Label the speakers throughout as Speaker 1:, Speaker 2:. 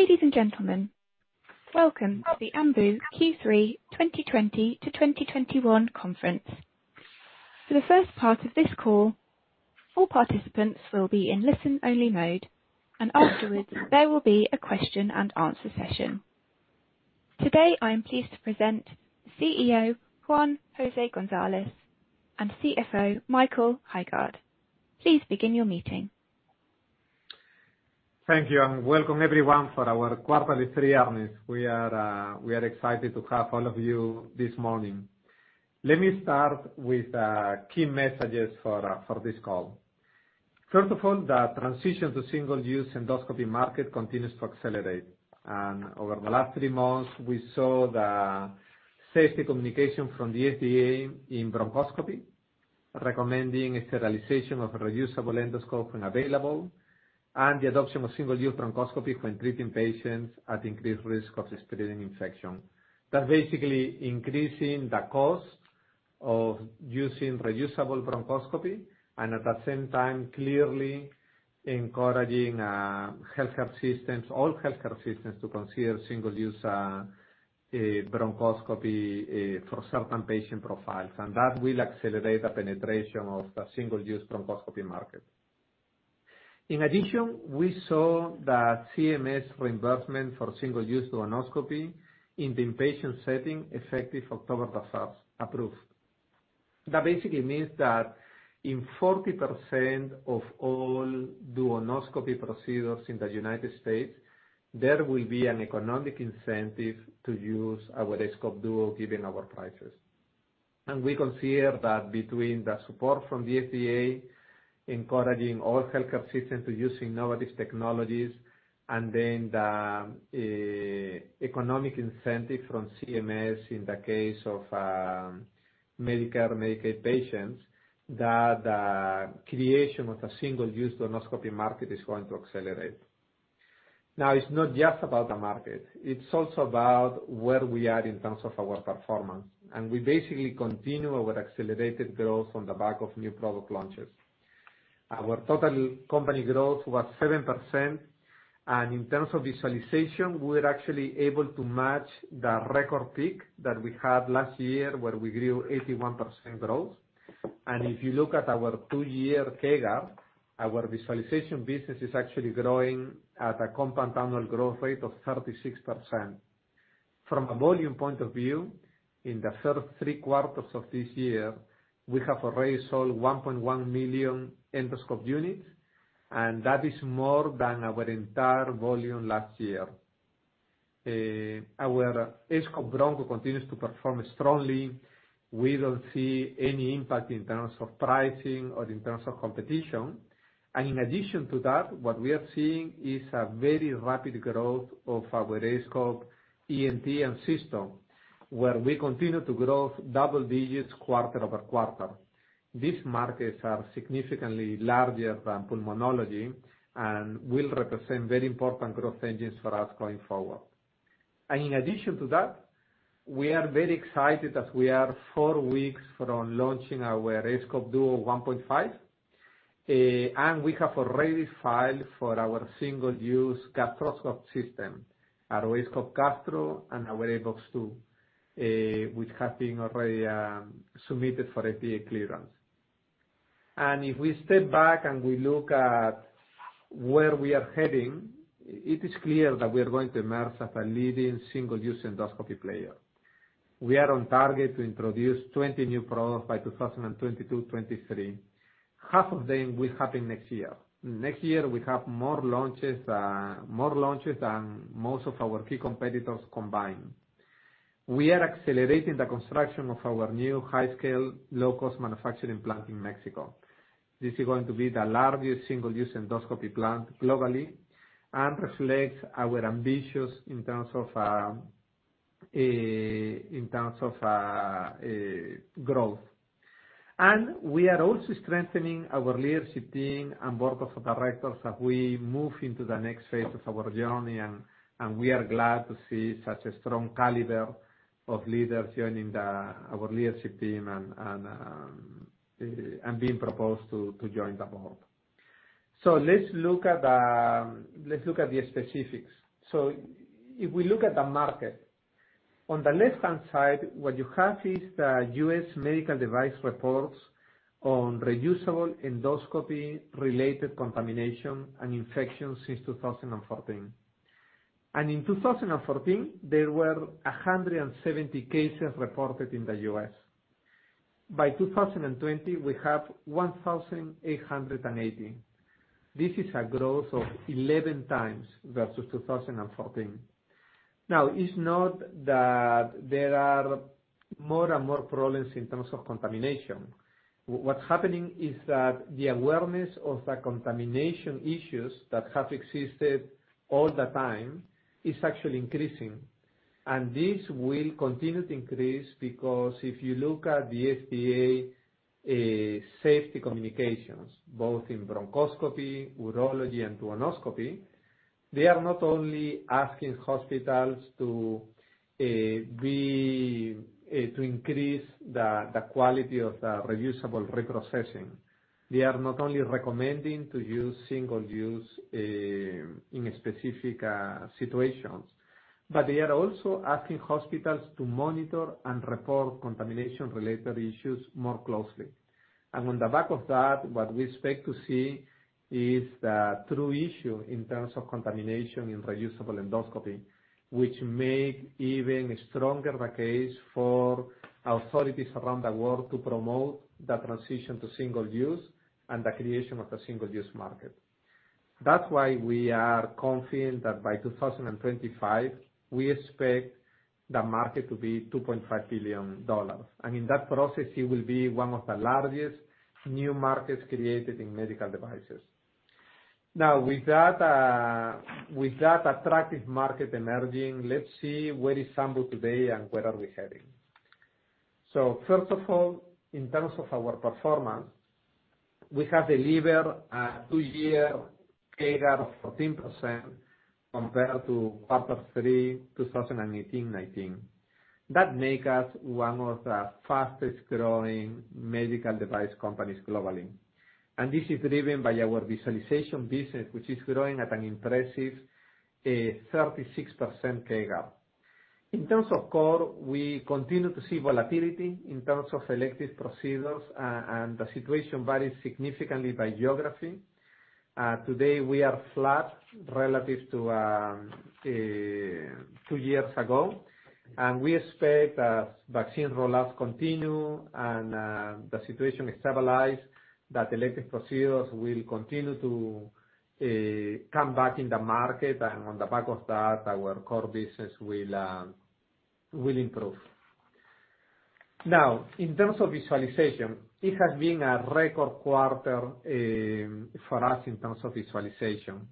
Speaker 1: Ladies and gentlemen, Welcome to the Ambu Q3 2020-2021 conference. For the first part of this call, all participants will be in listen only mode, and afterwards there will be a question and answer session. Today, I am pleased to present CEO Juan-José Gonzalez and CFO Michael Højgaard. Please begin your meeting.
Speaker 2: Thank you, welcome everyone for our quarterly three earnings. We are excited to have all of you this morning. Let me start with key messages for this call. First of all, the transition to single-use endoscopy market continues to accelerate. Over the last three months, we saw the safety communication from the FDA in bronchoscopy recommending sterilization of reusable endoscope when available, and the adoption of single-use bronchoscopy when treating patients at increased risk of spreading infection. That's basically increasing the cost of using reusable bronchoscopy, and at the same time, clearly encouraging all healthcare systems to consider single-use bronchoscopy for certain patient profiles. That will accelerate the penetration of the single-use bronchoscopy market. In addition, we saw that CMS reimbursement for single-use duodenoscopy in the inpatient setting effective October 3rd approved. That basically means that in 40% of all duodenoscopy procedures in the United States, there will be an economic incentive to use our aScope Duo given our prices. We consider that between the support from the FDA encouraging all healthcare systems to using innovative technologies, and then the economic incentive from CMS in the case of Medicare, Medicaid patients, that the creation of a single-use duodenoscopy market is going to accelerate. Now, it's not just about the market. It's also about where we are in terms of our performance. We basically continue our accelerated growth on the back of new product launches. Our total company growth was 7%, and in terms of visualization, we were actually able to match the record peak that we had last year where we grew 81% growth. If you look at our 2-year CAGR, our visualization business is actually growing at a compound annual growth rate of 36%. From a volume point of view, in the first three quarters of this year, we have already sold 1.1 million endoscope units, and that is more than our entire volume last year. Our aScope Broncho continues to perform strongly. We don't see any impact in terms of pricing or in terms of competition. In addition to that, what we are seeing is a very rapid growth of our aScope ENT and Cysto, where we continue to grow double-digits quarter-over-quarter. These markets are significantly larger than pulmonology and will represent very important growth engines for us going forward. In addition to that, we are very excited as we are four weeks from launching our aScope Duo 1.5. We have already filed for our single-use gastroscope system, our aScope Gastro and our aView 2 Advance, which have been already submitted for FDA clearance. If we step back and we look at where we are heading, it is clear that we are going to emerge as a leading single-use endoscopy player. We are on target to introduce 20 new products by 2022, 2023. Half of them will happen next year. Next year, we have more launches than most of our key competitors combined. We are accelerating the construction of our new high-scale, low-cost manufacturing plant in Mexico. This is going to be the largest single-use endoscopy plant globally and reflects our ambitions in terms of growth. We are also strengthening our leadership team and board of directors as we move into the next phase of our journey, and we are glad to see such a strong caliber of leaders joining our leadership team and being proposed to join the board. Let's look at the specifics. If we look at the market, on the left-hand side, what you have is the U.S. medical device reports on reusable endoscopy related contamination and infections since 2014. In 2014, there were 170 cases reported in the U.S. By 2020, we have 1,880. This is a growth of 11x versus 2014. It's not that there are more and more problems in terms of contamination. What's happening is that the awareness of the contamination issues that have existed all the time is actually increasing. This will continue to increase because if you look at the FDA safety communications, both in bronchoscopy, urology, and duodenoscopy. They are not only asking hospitals to increase the quality of the reusable reprocessing, they are not only recommending to use single-use in specific situations, but they are also asking hospitals to monitor and report contamination-related issues more closely. On the back of that, what we expect to see is the true issue in terms of contamination in reusable endoscopy, which make even stronger the case for authorities around the world to promote the transition to single-use and the creation of a single-use market. That's why we are confident that by 2025, we expect the market to be $2.5 billion. In that process, it will be one of the largest new markets created in medical devices. With that attractive market emerging, let's see where is Ambu today and where are we heading. First of all, in terms of our performance, we have delivered a two-year CAGR of 14% compared to quarter three 2018-2019. That make us one of the fastest-growing medical device companies globally. This is driven by our visualization business, which is growing at an impressive 36% CAGR. In terms of core, we continue to see volatility in terms of elective procedures, and the situation varies significantly by geography. Today, we are flat relative to two years ago, and we expect as vaccine rollouts continue and the situation is stabilized, that elective procedures will continue to come back in the market. On the back of that, our core business will improve. In terms of visualization, it has been a record quarter for us in terms of visualization.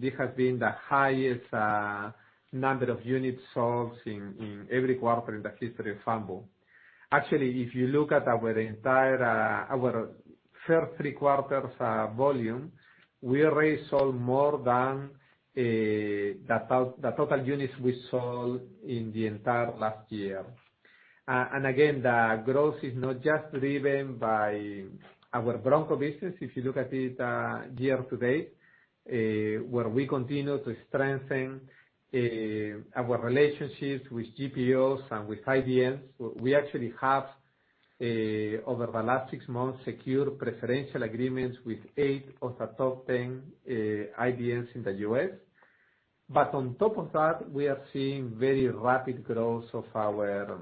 Speaker 2: This has been the highest number of units sold in every quarter in the history of Ambu. Actually, if you look at our first three quarters' volume, we already sold more than the total units we sold in the entire last year. The growth is not just driven by our broncho business. If you look at it year to date, where we continue to strengthen our relationships with GPOs and with IDNs, we actually have, over the last six months, secured preferential agreements with eight of the top 10 IDNs in the U.S. On top of that, we are seeing very rapid growth of our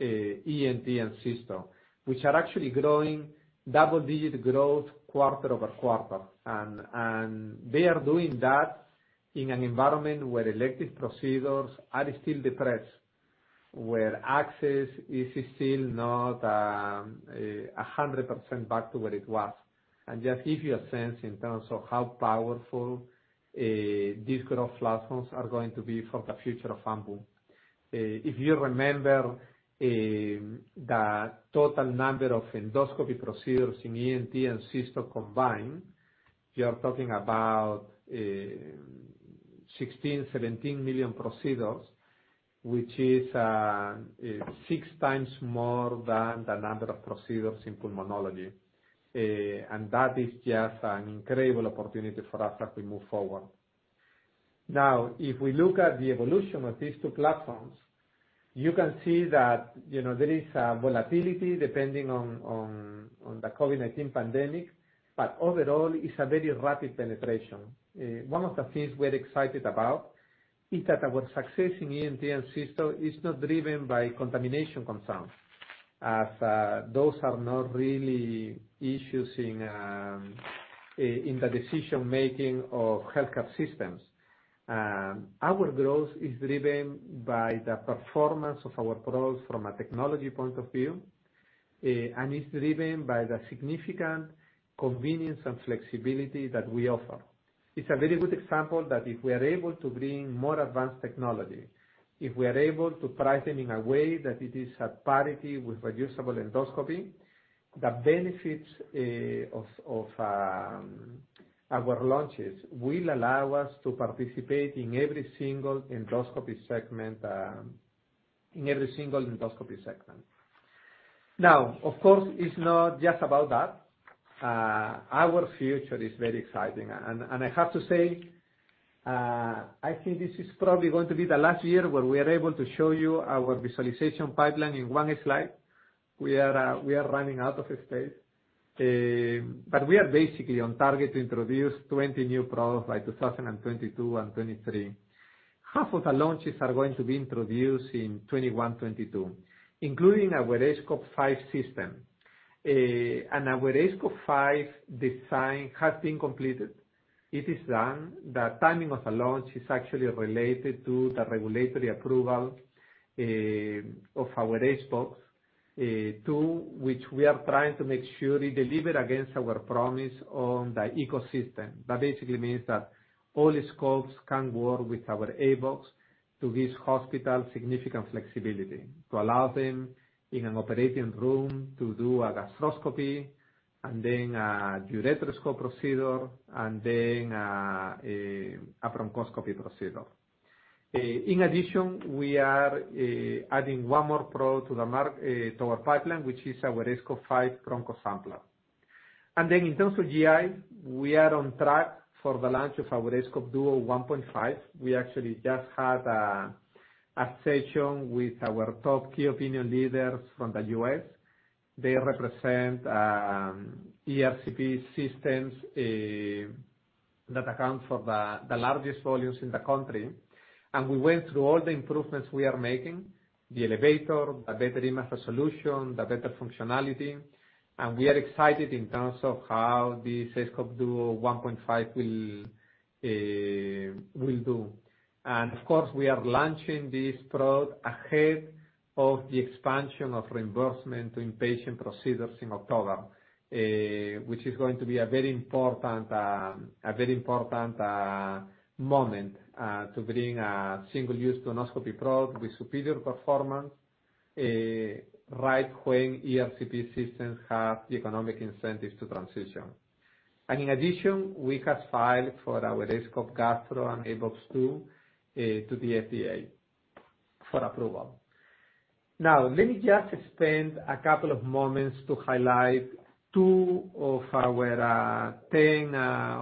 Speaker 2: ENT and Cysto, which are actually growing double-digit growth quarter-over-quarter. They are doing that in an environment where elective procedures are still depressed, where access is still not 100% back to what it was. Just give you a sense in terms of how powerful these growth platforms are going to be for the future of Ambu. If you remember the total number of endoscopy procedures in ENT and Cysto combined, we are talking about 16 million-17 million procedures, which is 6x more than the number of procedures in pulmonology. That is just an incredible opportunity for us as we move forward. If we look at the evolution of these two platforms, you can see that there is volatility depending on the COVID-19 pandemic, but overall, it's a very rapid penetration. One of the things we're excited about is that our success in ENT and Cysto is not driven by contamination concerns, as those are not really issues in the decision-making of healthcare systems. Our growth is driven by the performance of our products from a technology point of view, and it's driven by the significant convenience and flexibility that we offer. It's a very good example that if we are able to bring more advanced technology, if we are able to price them in a way that it is at parity with reusable endoscopy, the benefits of our launches will allow us to participate in every single endoscopy segment. Of course, it's not just about that. Our future is very exciting. I have to say, I think this is probably going to be the last year where we are able to show you our visualization pipeline in one slide. We are running out of space. We are basically on target to introduce 20 new products by 2022 and 2023. Half of the launches are going to be introduced in 2021, 2022, including our aScope 5 system. Our aScope 5 design has been completed. It is done. The timing of the launch is actually related to the regulatory approval of our aBox 2, which we are trying to make sure it deliver against our promise on the ecosystem. That basically means that all scopes can work with our aBox to give hospital significant flexibility, to allow them in an operating room to do a gastroscopy and then a ureteroscope procedure, and then a bronchoscopy procedure. In addition, we are adding one more product to our pipeline, which is our aScope 5 Broncho Sampler. In terms of GI, we are on track for the launch of our aScope Duo 1.5. We actually just had a session with our top key opinion leaders from the U.S. They represent ERCP systems that account for the largest volumes in the country. We went through all the improvements we are making, the elevator, the better image solution, the better functionality. We are excited in terms of how this aScope Duo 1.5 will do. Of course, we are launching this product ahead of the expansion of reimbursement to inpatient procedures in October, which is going to be a very important moment, to bring a single-use endoscopy product with superior performance, right when ERCP systems have the economic incentives to transition. In addition, we have filed for our aScope Gastro and aBox 2 to the FDA for approval. Now, let me just spend a couple of moments to highlight two of our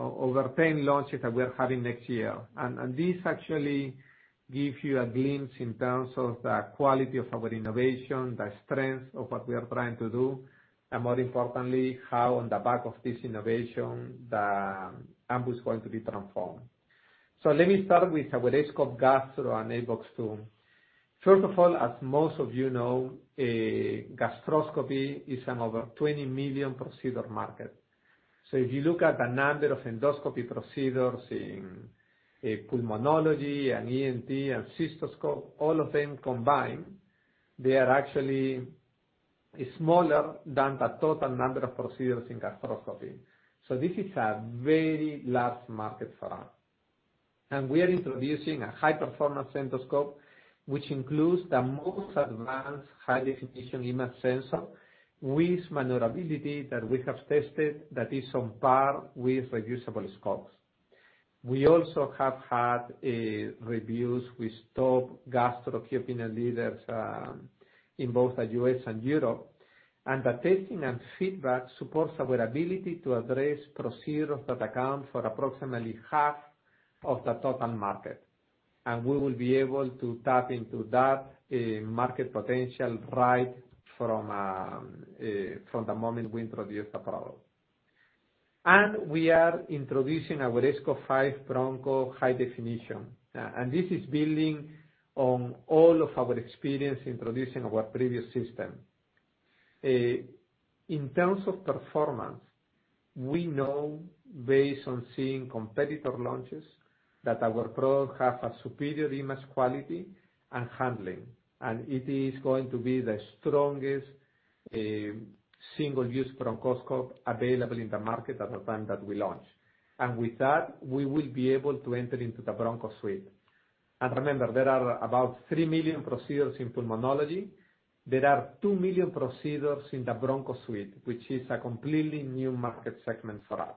Speaker 2: over 10 launches that we're having next year. This actually gives you a glimpse in terms of the quality of our innovation, the strength of what we are trying to do, and more importantly, how on the back of this innovation, Ambu is going to be transformed. Let me start with our aScope Gastro and aBox 2. First of all, as most of you know, gastroscopy is an over 20 million procedure market. If you look at the number of endoscopy procedures in pulmonology and ENT and cystoscope, all of them combined, they are actually smaller than the total number of procedures in gastroscopy. This is a very large market for us. We are introducing a high-performance endoscope, which includes the most advanced high-definition image sensor with maneuverability that we have tested that is on par with reusable scopes. We also have had reviews with top gastro opinion leaders, in both the U.S. and Europe. The testing and feedback supports our ability to address procedures that account for approximately half of the total market. We will be able to tap into that market potential right from the moment we introduce the product. We are introducing our aScope 5 Broncho High Definition. This is building on all of our experience introducing our previous system. In terms of performance, we know based on seeing competitor launches, that our product has a superior image quality and handling. It is going to be the strongest single-use bronchoscope available in the market at the time that we launch. With that, we will be able to enter into the broncho suite. Remember, there are about 3 million procedures in pulmonology. There are 2 million procedures in the broncho suite, which is a completely new market segment for us.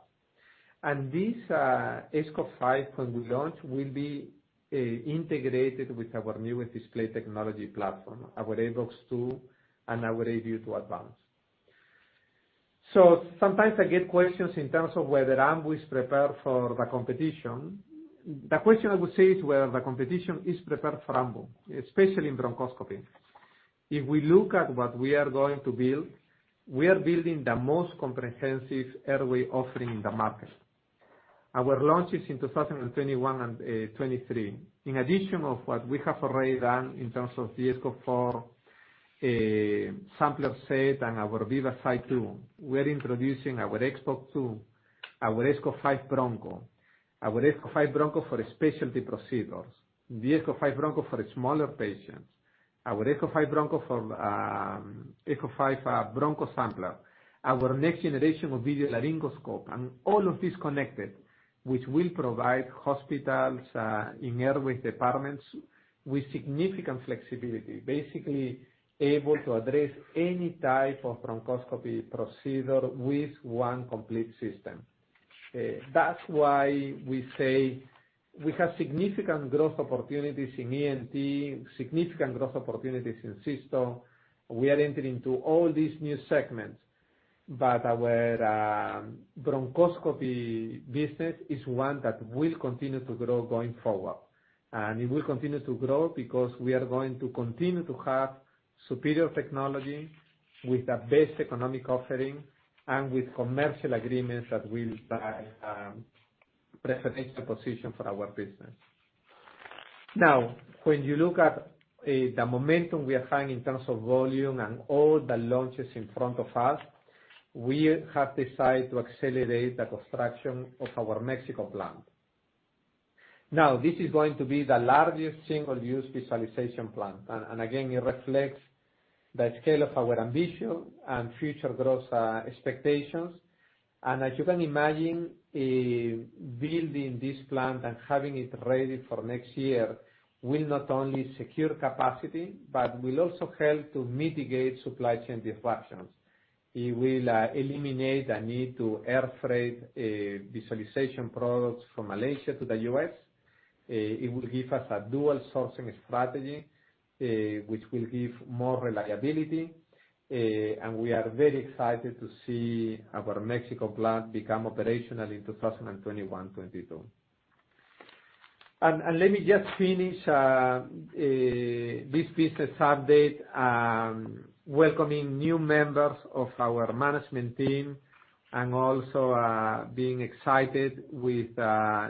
Speaker 2: This aScope 5, when we launch, will be integrated with our newest display technology platform, our aBox 2 and our aView 2 Advance. Sometimes I get questions in terms of whether Ambu is prepared for the competition. The question I would say is whether the competition is prepared for Ambu, especially in bronchoscopy. If we look at what we are going to build, we are building the most comprehensive airway offering in the market. Our launches in 2021 and 2023, in addition of what we have already done in terms of the aScope 4 Sampler Set and our VivaSight 2, we are introducing our aScope 2, our aScope 5 Broncho, our aScope 5 Broncho for specialty procedures, the aScope 5 Broncho for smaller patients, our aScope 5 Broncho Sampler, our next generation of video laryngoscope, and all of this connected, which will provide hospitals in airway departments with significant flexibility, basically able to address any type of bronchoscopy procedure with one complete system. That's why we say we have significant growth opportunities in ENT, significant growth opportunities in Cysto. We are entering into all these new segments. Our bronchoscopy business is one that will continue to grow going forward. It will continue to grow because we are going to continue to have superior technology with the best economic offering and with commercial agreements that will present a position for our business. Now, when you look at the momentum we are having in terms of volume and all the launches in front of us, we have decided to accelerate the construction of our Mexico plant. Now, this is going to be the largest single-use visualization plant. Again, it reflects the scale of our ambition and future growth expectations. As you can imagine, building this plant and having it ready for next year will not only secure capacity, but will also help to mitigate supply chain disruptions. It will eliminate a need to air freight visualization products from Malaysia to the U.S. It will give us a dual sourcing strategy, which will give more reliability. We are very excited to see our Mexico plant become operational in 2021, 2022. Let me just finish this business update, welcoming new members of our management team and also being excited with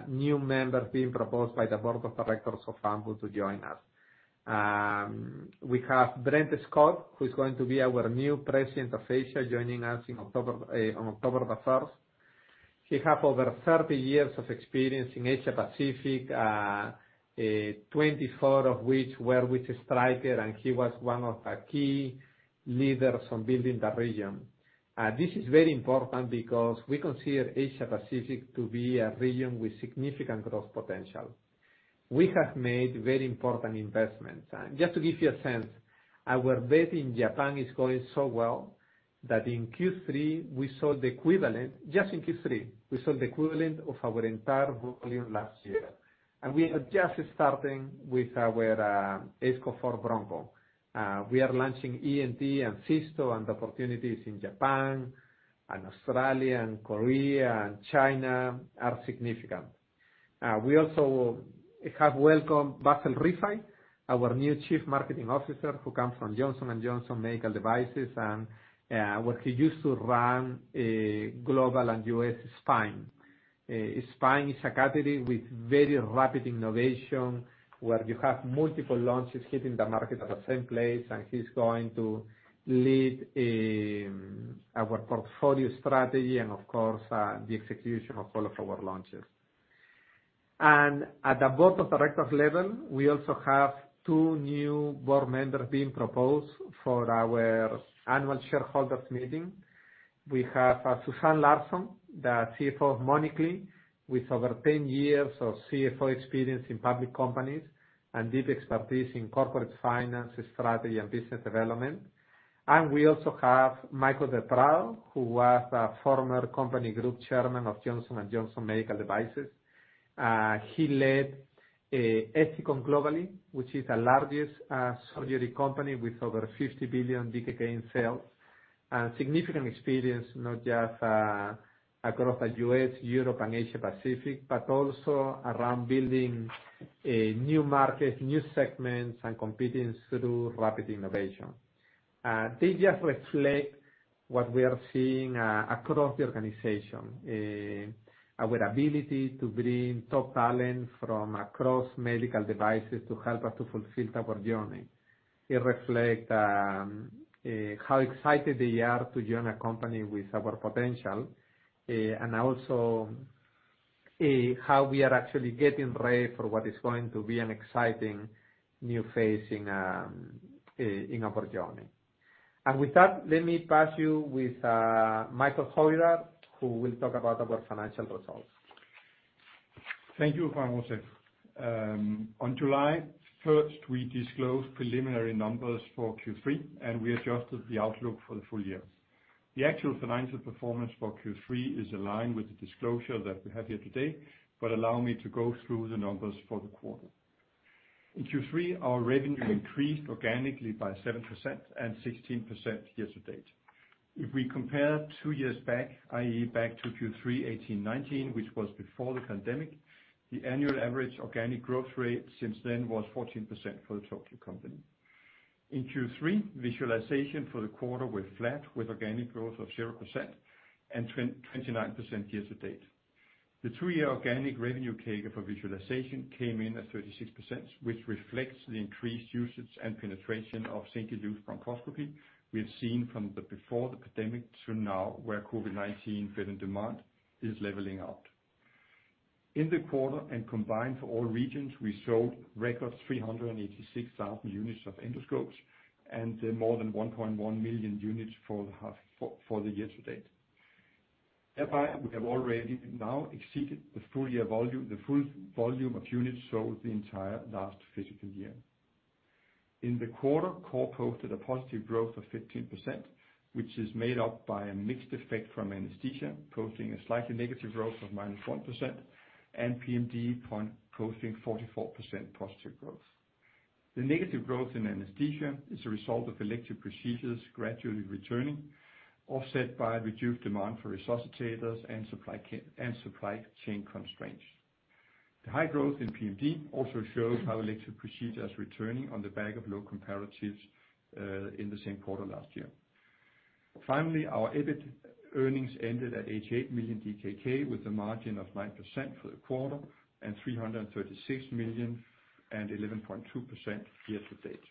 Speaker 2: new members being proposed by the board of directors of Ambu to join us. We have Brent Scott, who's going to be our new President of Asia, joining us on October 1st. He have over 30 years of experience in Asia Pacific, 24 of which were with Stryker, and he was one of the key leaders on building the region. This is very important because we consider Asia Pacific to be a region with significant growth potential. We have made very important investments. Just to give you a sense, our bet in Japan is going so well that in Q3 we sold the equivalent, just in Q3, we sold the equivalent of our entire volume last year. We are just starting with our aScope 4 Broncho. We are launching ENT and Cysto and the opportunities in Japan and Australia and Korea and China are significant. We also have welcomed Bassel Rifai, our new Chief Marketing Officer, who comes from Johnson & Johnson Medical Devices. Where he used to run global and U.S. spine. Spine is a category with very rapid innovation, where you have multiple launches hitting the market at the same place, and he's going to lead our portfolio strategy and, of course, the execution of all of our launches. At the board of directors level, we also have two new board members being proposed for our annual shareholders meeting. We have Susanne Larsson, the CFO of Mölnlycke with over 10 years of CFO experience in public companies and deep expertise in corporate finance, strategy, and business development. We also have Michael del Prado, who was a former company group chairman of Johnson & Johnson Medical Devices. He led Ethicon globally, which is the largest surgery company with over 50 billion DKK in sales. Significant experience, not just across the U.S., Europe, and Asia Pacific, but also around building new markets, new segments, and competing through rapid innovation. They just reflect what we are seeing across the organization. Our ability to bring top talent from across medical devices to help us to fulfill our journey. It reflect how excited they are to join a company with our potential. Also how we are actually getting ready for what is going to be an exciting new phase in our journey. With that, let me pass you with Michael Hejgaard, who will talk about our financial results.
Speaker 3: Thank you, Juan-José. On July 1st, we disclosed preliminary numbers for Q3. We adjusted the outlook for the full year. The actual financial performance for Q3 is aligned with the disclosure that we have here today. Allow me to go through the numbers for the quarter. In Q3, our revenue increased organically by 7% and 16% year-to-date. If we compare two years back, i.e., back to Q3 2018/2019, which was before the pandemic, the annual average organic growth rate since then was 14% for the total company. In Q3, visualization for the quarter were flat, with organic growth of 0% and 29% year-to-date. The three-year organic revenue CAGR for visualization came in at 36%, which reflects the increased usage and penetration of single-use bronchoscopy we have seen from the before the pandemic to now, where COVID-19 vent demand is leveling out. In the quarter and combined for all regions, we sold record 386,000 units of endoscopes and more than 1.1 million units for the year to date. Thereby, we have already now exceeded the full volume of units sold the entire last fiscal year. In the quarter, Core posted a positive growth of 15%, which is made up by a mixed effect from anesthesia, posting a slightly negative growth of -4%, and PMD posting 44% positive growth. The negative growth in anesthesia is a result of elective procedures gradually returning, offset by reduced demand for resuscitators and supply chain constraints. The high growth in PMD also shows how elective procedures returning on the back of low comparatives in the same quarter last year. Finally, our EBIT earnings ended at 88 million DKK, with a margin of 9% for the quarter, and 336 million and 11.2% year to date.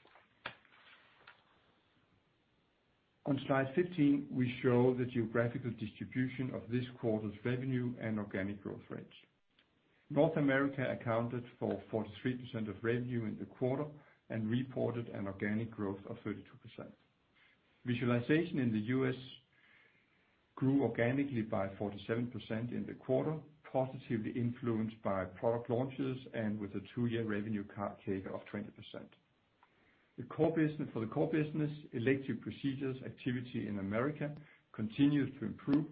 Speaker 3: On slide 15, we show the geographical distribution of this quarter's revenue and organic growth rates. North America accounted for 43% of revenue in the quarter and reported an organic growth of 32%. Visualization in the U.S. grew organically by 47% in the quarter, positively influenced by product launches and with a two-year revenue CAGR of 20%. For the core business, elective procedures activity in America continues to improve,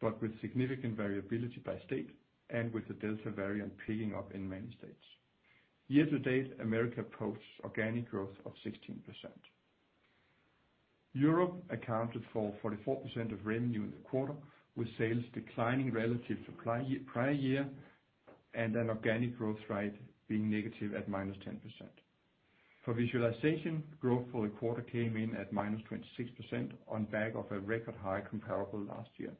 Speaker 3: but with significant variability by state and with the Delta variant picking up in many states. Year to date, America posts organic growth of 16%. Europe accounted for 44% of revenue in the quarter, with sales declining relative to prior year, and an organic growth rate being at -10%. For visualization, growth for the quarter came in at -26% on back of a record high comparable last year.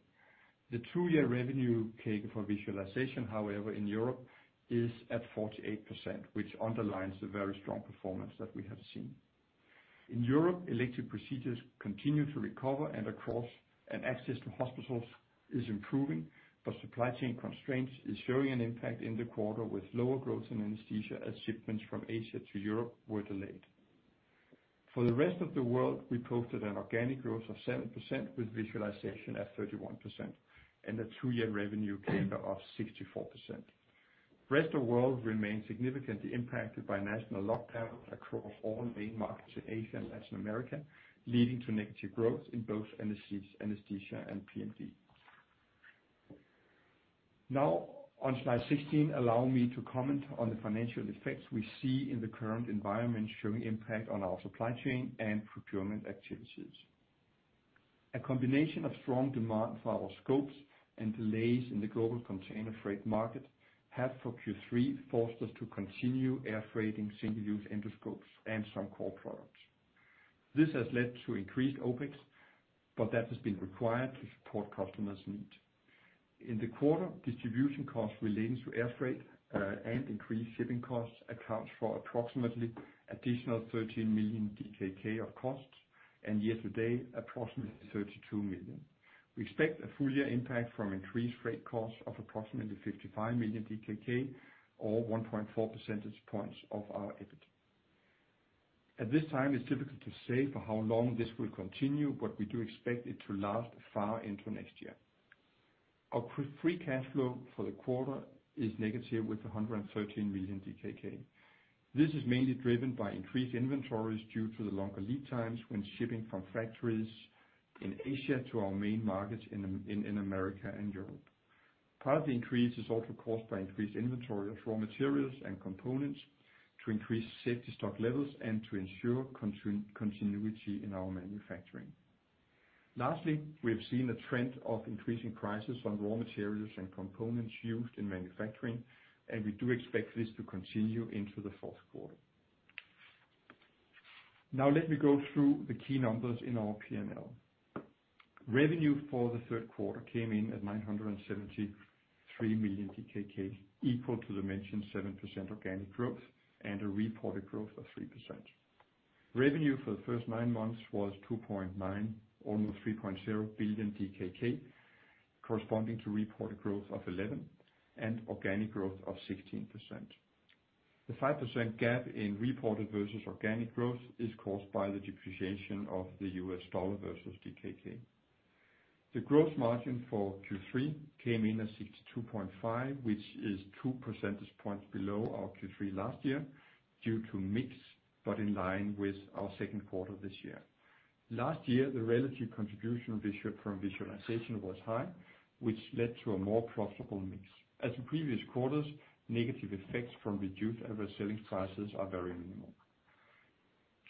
Speaker 3: The two-year revenue CAGR for visualization, however, in Europe is at 48%, which underlines the very strong performance that we have seen. In Europe, elective procedures continue to recover and access to hospitals is improving, but supply chain constraints is showing an impact in the quarter with lower growth in anesthesia as shipments from Asia to Europe were delayed. For the rest of the world, we posted an organic growth of 7% with visualization at 31% and a two-year revenue CAGR of 64%. Rest of world remains significantly impacted by national lockdowns across all main markets in Asia and Latin America, leading to negative growth in both anesthesia and PMD. Now on slide 16, allow me to comment on the financial effects we see in the current environment showing impact on our supply chain and procurement activities. A combination of strong demand for our scopes and delays in the global container freight market have, for Q3, forced us to continue air freighting single-use endoscopes and some core products. This has led to increased OpEx, but that has been required to support customers' needs. In the quarter, distribution costs relating to air freight and increased shipping costs accounts for approximately additional 13 million DKK of costs, and year to date, approximately 32 million. We expect a full year impact from increased freight costs of approximately 55 million DKK or 1.4 percentage points of our EBIT. At this time, it's difficult to say for how long this will continue, but we do expect it to last far into next year. Our free cash flow for the quarter is negative with 113 million DKK. This is mainly driven by increased inventories due to the longer lead times when shipping from factories in Asia to our main markets in America and Europe. Part of the increase is also caused by increased inventory of raw materials and components to increase safety stock levels and to ensure continuity in our manufacturing. Lastly, we have seen a trend of increasing prices on raw materials and components used in manufacturing, and we do expect this to continue into the fourth quarter. Now let me go through the key numbers in our P&L. Revenue for the third quarter came in at 973 million DKK, equal to the mentioned 7% organic growth and a reported growth of 3%. Revenue for the first nine months was 2.9, almost 3.0 billion DKK, corresponding to reported growth of 11% and organic growth of 16%. The 5% gap in reported versus organic growth is caused by the depreciation of the US dollar versus DKK. The gross margin for Q3 came in at 62.5%, which is two percentage points below our Q3 last year due to mix, but in line with our second quarter this year. Last year, the relative contribution from visualization was high, which led to a more profitable mix. As in previous quarters, negative effects from reduced average selling prices are very minimal.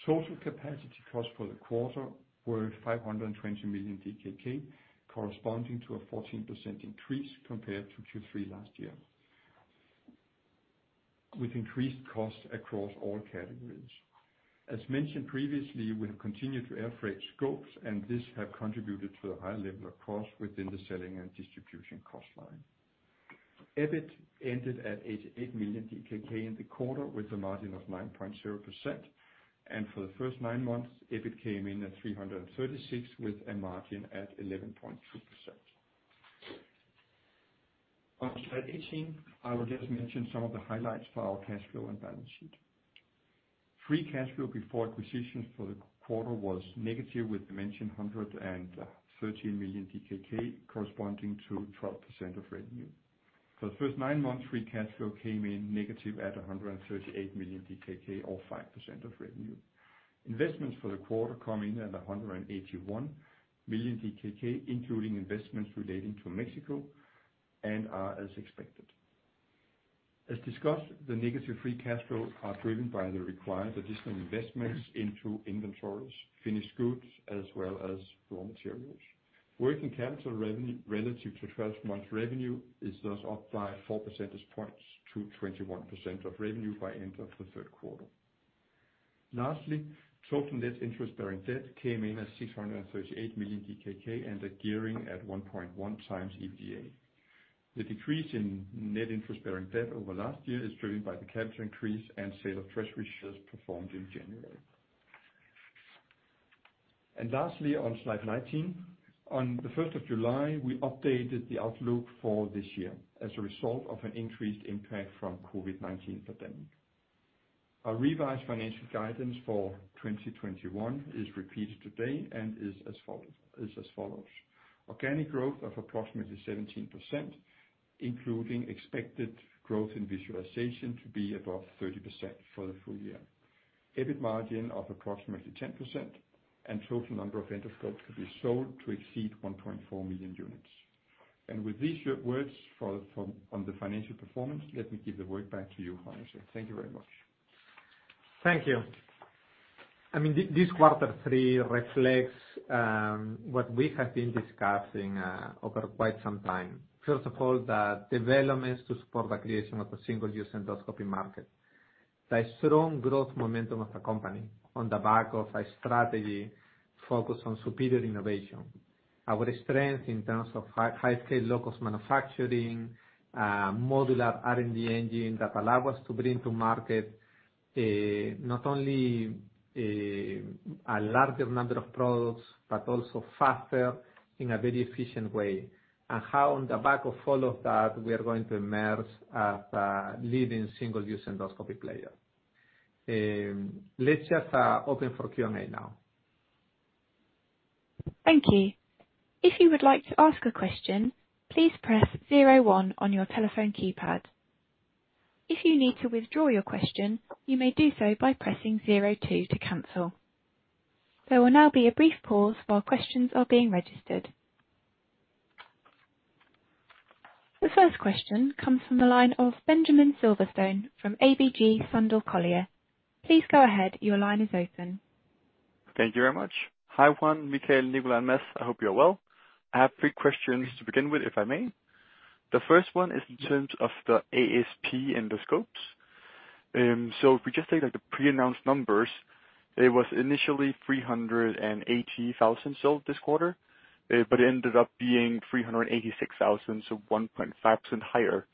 Speaker 3: Total capacity costs for the quarter were 520 million DKK, corresponding to a 14% increase compared to Q3 last year, with increased costs across all categories. As mentioned previously, we have continued to air freight scopes, and this have contributed to the high level of costs within the selling and distribution cost line. EBIT ended at 88 million DKK in the quarter with a margin of 9.0%. For the first nine months, EBIT came in at 336 million with a margin at 11.2%. On slide 18, I will just mention some of the highlights for our cash flow and balance sheet. Free cash flow before acquisitions for the quarter was negative with the mentioned 113 million DKK, corresponding to 12% of revenue. For the first nine months, free cash flow came in negative at 138 million DKK or 5% of revenue. Investments for the quarter come in at 181 million DKK, including investments relating to Mexico and are as expected. As discussed, the negative free cash flow are driven by the required additional investments into inventories, finished goods as well as raw materials. Working capital revenue relative to 12 months revenue is thus up by four percentage points to 21% of revenue by end of the third quarter. Lastly, total net interest-bearing debt came in at 638 million DKK and a gearing at 1.1 times EBITDA. The decrease in net interest-bearing debt over last year is driven by the capital increase and sale of treasury shares performed in January. Lastly, on slide 19. On the 1st of July, we updated the outlook for this year as a result of an increased impact from COVID-19 pandemic. Our revised financial guidance for 2021 is repeated today and is as follows. Organic growth of approximately 17%, including expected growth in visualization to be above 30% for the full year. EBIT margin of approximately 10% and total number of endoscopes to be sold to exceed 1.4 million units. With these words on the financial performance, let me give the word back to you, Juan-José. Thank you very much.
Speaker 2: Thank you. This quarter three reflects what we have been discussing over quite some time. First of all, the developments to support the creation of a single-use endoscopy market. The strong growth momentum of the company on the back of a strategy focused on superior innovation, our strength in terms of high-scale low-cost manufacturing, modular R&D engine that allow us to bring to market not only a larger number of products, but also faster in a very efficient way. How on the back of all of that, we are going to emerge as a leading single-use endoscopy player. Let's just open for Q&A now.
Speaker 1: Thank you. The first question comes from the line of Benjamin Silverstone from ABG Sundal Collier. Please go ahead. Your line is open.
Speaker 4: Thank you very much. Hi, Juan-José, Michael, Nico, and Mads. I hope you're well. I have three questions to begin with, if I may. The first one is in terms of the aScope endoscopes. If we just take the pre-announced numbers, it was initially 380,000 sold this quarter, but it ended up being 386,000, so 1.5% higher.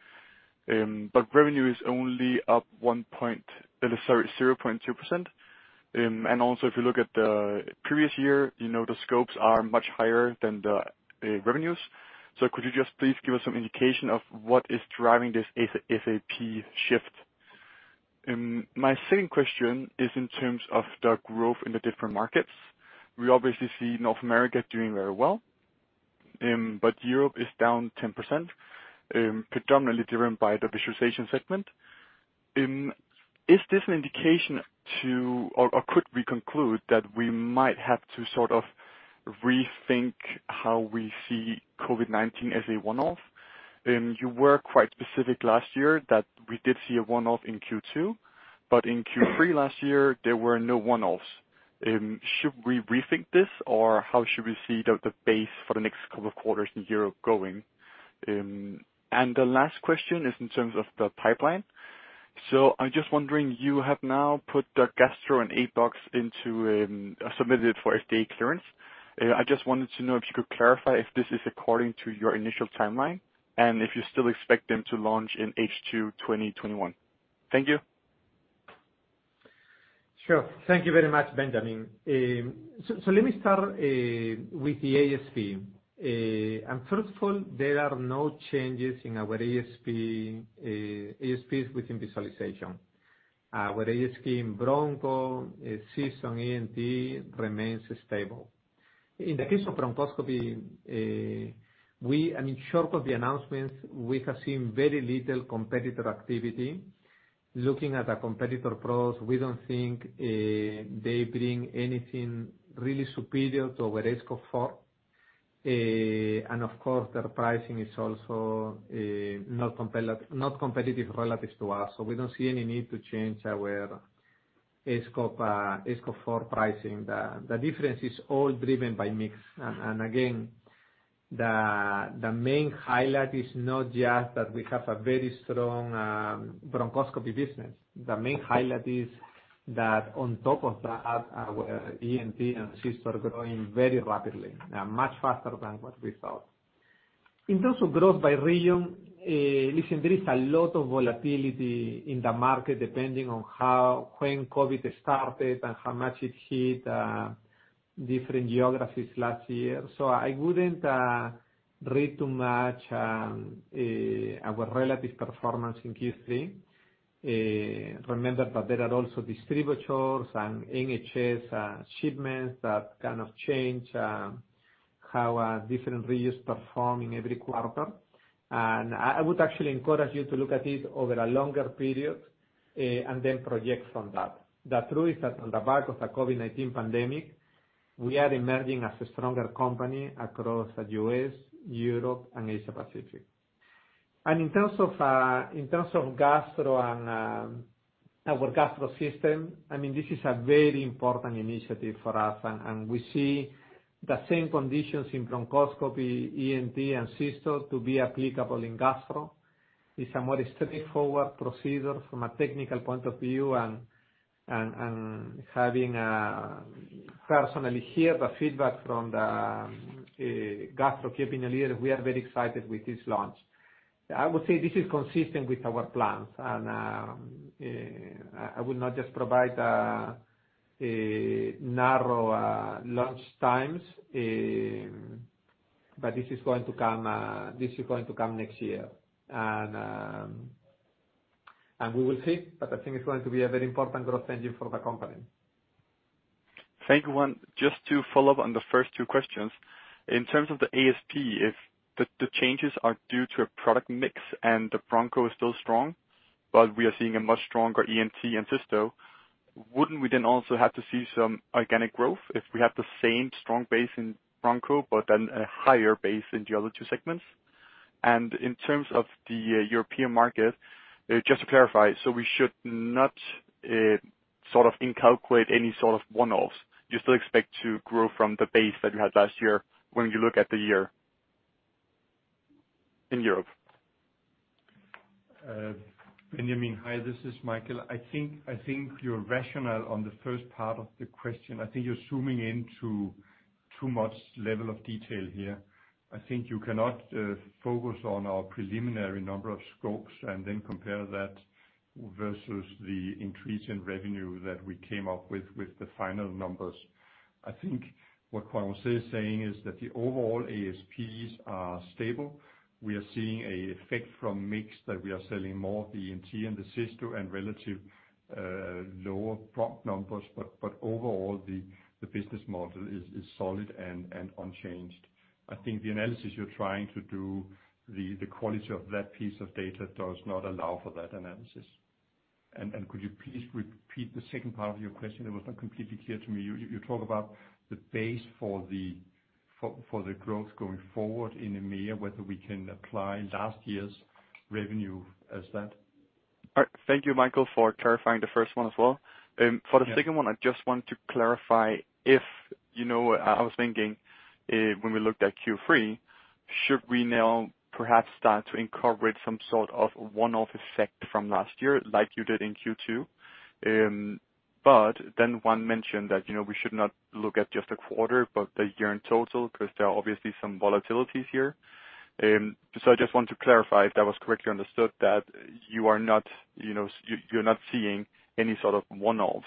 Speaker 4: Revenue is only up 0.2%. If you look at the previous year, the scopes are much higher than the revenues. Could you just please give us some indication of what is driving this aScope shift? My second question is in terms of the growth in the different markets. We obviously see North America doing very well. Europe is down 10%, predominantly driven by the visualization segment. Is this an indication to or could we conclude that we might have to sort of rethink how we see COVID-19 as a one-off? You were quite specific last year that we did see a one-off in Q2, but in Q3 last year, there were no one-offs. Should we rethink this? How should we see the base for the next couple of quarters in Europe going? The last question is in terms of the pipeline. I'm just wondering, you have now put the Gastro and aBox into, submitted for FDA clearance. I just wanted to know if you could clarify if this is according to your initial timeline, and if you still expect them to launch in H2 2021. Thank you.
Speaker 2: Sure. Thank you very much, Benjamin. Let me start with the ASP. First of all, there are no changes in our ASPs within visualization. Our ASP in broncho, Cysto, and ENT remains stable. In the case of bronchoscopy, short of the announcements, we have seen very little competitor activity. Looking at our competitor products, we don't think they bring anything really superior to our aScope 4. Of course, their pricing is also not competitive relative to us. We don't see any need to change our aScope 4 pricing. The difference is all driven by mix. Again, the main highlight is not just that we have a very strong bronchoscopy business. The main highlight is that on top of that, our ENT and Cysto are growing very rapidly, much faster than what we thought. In terms of growth by region, listen, there is a lot of volatility in the market depending on when COVID started and how much it hit different geographies last year. I wouldn't read too much our relative performance in Q3. Remember that there are also distributors and NHS shipments that kind of change how different regions perform in every quarter. I would actually encourage you to look at it over a longer period, and then project from that. The truth is that on the back of the COVID-19 pandemic, we are emerging as a stronger company across the U.S., Europe, and Asia Pacific. In terms of our Gastro system, this is a very important initiative for us, and we see the same conditions in bronchoscopy, ENT, and Cysto to be applicable in Gastro. It's a more straightforward procedure from a technical point of view and having personally heard the feedback from the gastro opinion leaders, we are very excited with this launch. I would say this is consistent with our plans. I will not just provide narrow launch times, but this is going to come next year. We will see, but I think it's going to be a very important growth engine for the company.
Speaker 4: Thank you, Juan. Just to follow up on the first two questions. In terms of the ASP, if the changes are due to a product mix and the Broncho is still strong, but we are seeing a much stronger ENT and Cysto, wouldn't we then also have to see some organic growth if we have the same strong base in Broncho but then a higher base in the other two segments? In terms of the European market, just to clarify, we should not in-calculate any sort of one-offs. Do you still expect to grow from the base that you had last year when you look at the year in Europe?
Speaker 3: Benjamin, hi, this is Michael. I think you're rational on the first part of the question. I think you're zooming into too much level of detail here. I think you cannot focus on our preliminary number of scopes and then compare that versus the increase in revenue that we came up with the final numbers. I think what Juan is saying is that the overall ASPs are stable. We are seeing a effect from mix that we are selling more ENT and the Cysto and relative lower prop numbers. Overall, the business model is solid and unchanged. I think the analysis you're trying to do, the quality of that piece of data does not allow for that analysis. Could you please repeat the second part of your question? It was not completely clear to me. You talk about the base for the growth going forward in EMEA, whether we can apply last year's revenue as that.
Speaker 4: All right. Thank you, Michael, for clarifying the first one as well.
Speaker 3: Yeah.
Speaker 4: For the second one, I just want to clarify if, I was thinking when we looked at Q3, should we now perhaps start to incorporate some sort of one-off effect from last year like you did in Q2? Juan mentioned that we should not look at just a quarter, but the year in total, because there are obviously some volatilities here. I just want to clarify if that was correctly understood that you're not seeing any sort of one-offs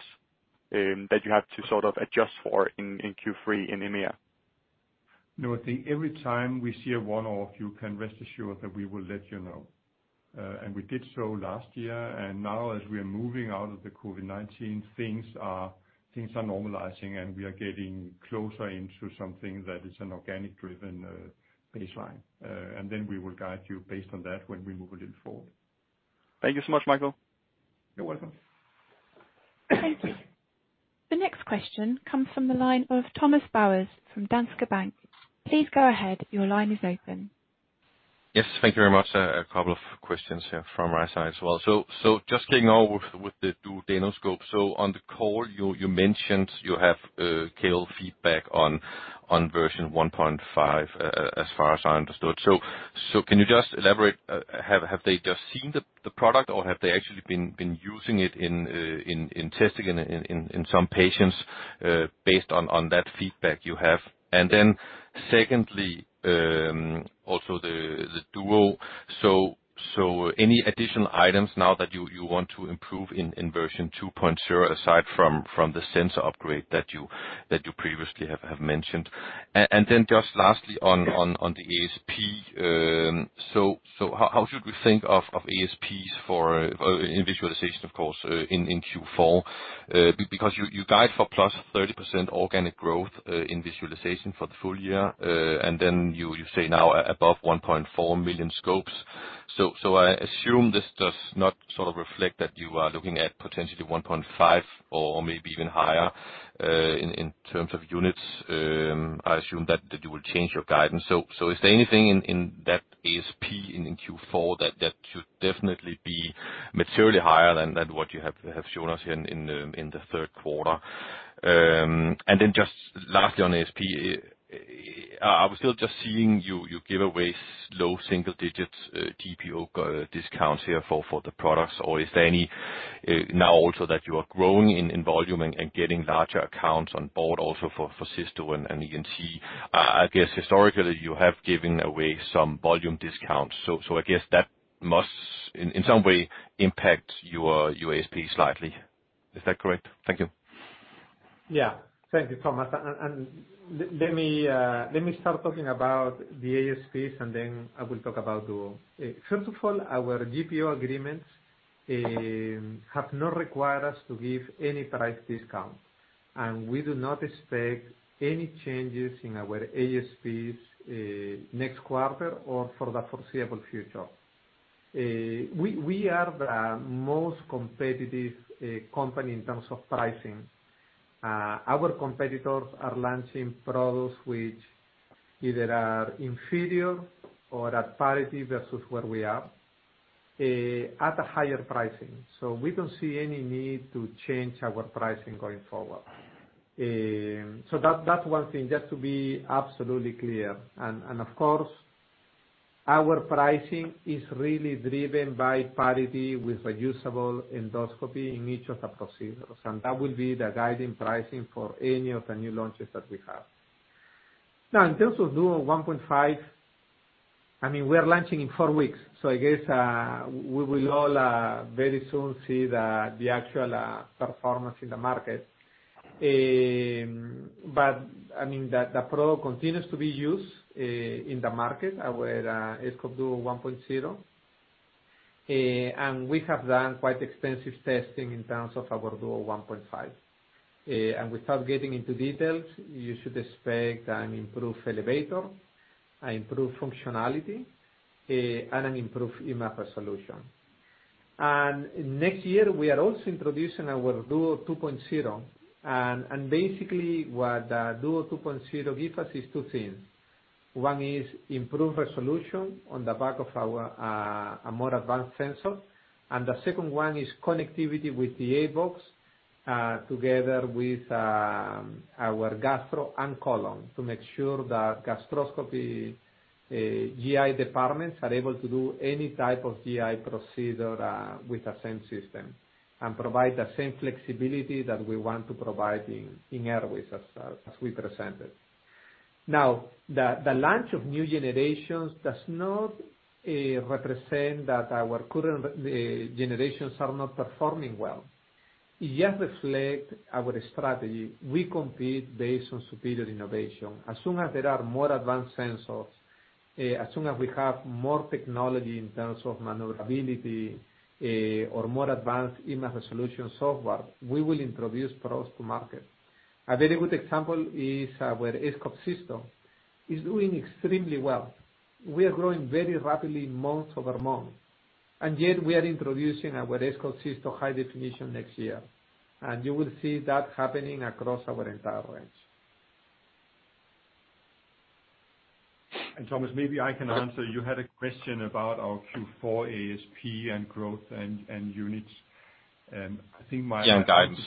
Speaker 4: that you have to sort of adjust for in Q3 in EMEA.
Speaker 3: No, I think every time we see a one-off, you can rest assured that we will let you know. We did so last year, now as we are moving out of the COVID-19, things are normalizing, and we are getting closer into something that is an organic driven baseline. We will guide you based on that when we move it forward.
Speaker 4: Thank you so much, Michael.
Speaker 3: You're welcome.
Speaker 1: Thank you. The next question comes from the line of Thomas Bowers from Danske Bank. Please go ahead. Your line is open.
Speaker 5: Yes, thank you very much. A couple of questions here from our side as well. Just kicking off with the duodenoscope. On the call, you mentioned you have KOL feedback on version 1.5, as far as I understood. Can you just elaborate, have they just seen the product or have they actually been using it in testing in some patients, based on that feedback you have? Secondly, also the duo. Any additional items now that you want to improve in version 2.0 aside from the sensor upgrade that you previously have mentioned? Just lastly on the ASP. How should we think of ASPs for in visualization, of course, in Q4? Because you guide for plus 30% organic growth, in visualization for the full year. You say now above 1.4 million scopes. I assume this does not sort of reflect that you are looking at potentially 1.5 or maybe even higher, in terms of units. I assume that you will change your guidance. Is there anything in that ASP in Q4 that should definitely be materially higher than what you have shown us here in the third quarter? Just lastly on ASP, are we still just seeing you give away low single digits GPO discounts here for the products? Or is there any now also that you are growing in volume and getting larger accounts on board also for Cysto and ENT. I guess historically you have given away some volume discounts. I guess that must in some way impact your ASP slightly. Is that correct? Thank you.
Speaker 2: Thank you, Thomas. Let me start talking about the ASPs. Then I will talk about duo. First of all, our GPO agreements have not required us to give any price discount. We do not expect any changes in our ASPs next quarter or for the foreseeable future. We are the most competitive company in terms of pricing. Our competitors are launching products which either are inferior or at parity versus where we are, at a higher pricing. We don't see any need to change our pricing going forward. That's one thing, just to be absolutely clear. Of course, our pricing is really driven by parity with reusable endoscopy in each of the procedures. That will be the guiding pricing for any of the new launches that we have. In terms of Duo 1.5, we are launching in four weeks. I guess, we will all very soon see the actual performance in the market. The product continues to be used in the market with aScope Duo 1.0. We have done quite extensive testing in terms of our aScope Duo 1.5. Without getting into details, you should expect an improved elevator, improved functionality, and an improved image resolution. Next year, we are also introducing our aScope Duo 2.0. Basically, what the aScope Duo 2.0 give us is two things. One is improved resolution on the back of our more advanced sensor. The second one is connectivity with the aBox, together with our aScope Gastro and colon, to make sure that gastroscopy GI departments are able to do any type of GI procedure with the same system, and provide the same flexibility that we want to provide in airways as we presented. The launch of new generations does not represent that our current generations are not performing well. It just reflects our strategy. We compete based on superior innovation. As soon as there are more advanced sensors, as soon as we have more technology in terms of maneuverability or more advanced image resolution software, we will introduce products to market. A very good example is our aScope system. It's doing extremely well. We are growing very rapidly month-over-month. Yet we are introducing our aScope system High Definition next year. You will see that happening across our entire range.
Speaker 3: Thomas, maybe I can answer. You had a question about our Q4 ASP and growth and units.
Speaker 5: Yeah, guidance.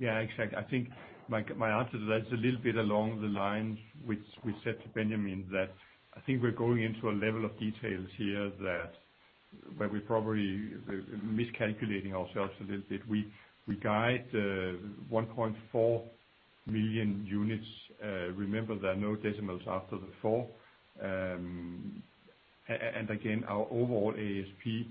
Speaker 3: Yeah, exactly. I think my answer to that is a little bit along the lines which we said to Benjamin, that I think we're going into a level of details here that where we're probably miscalculating ourselves a little bit. We guide 1.4 million units. Remember, there are no decimals after the four. Again, our overall ASP,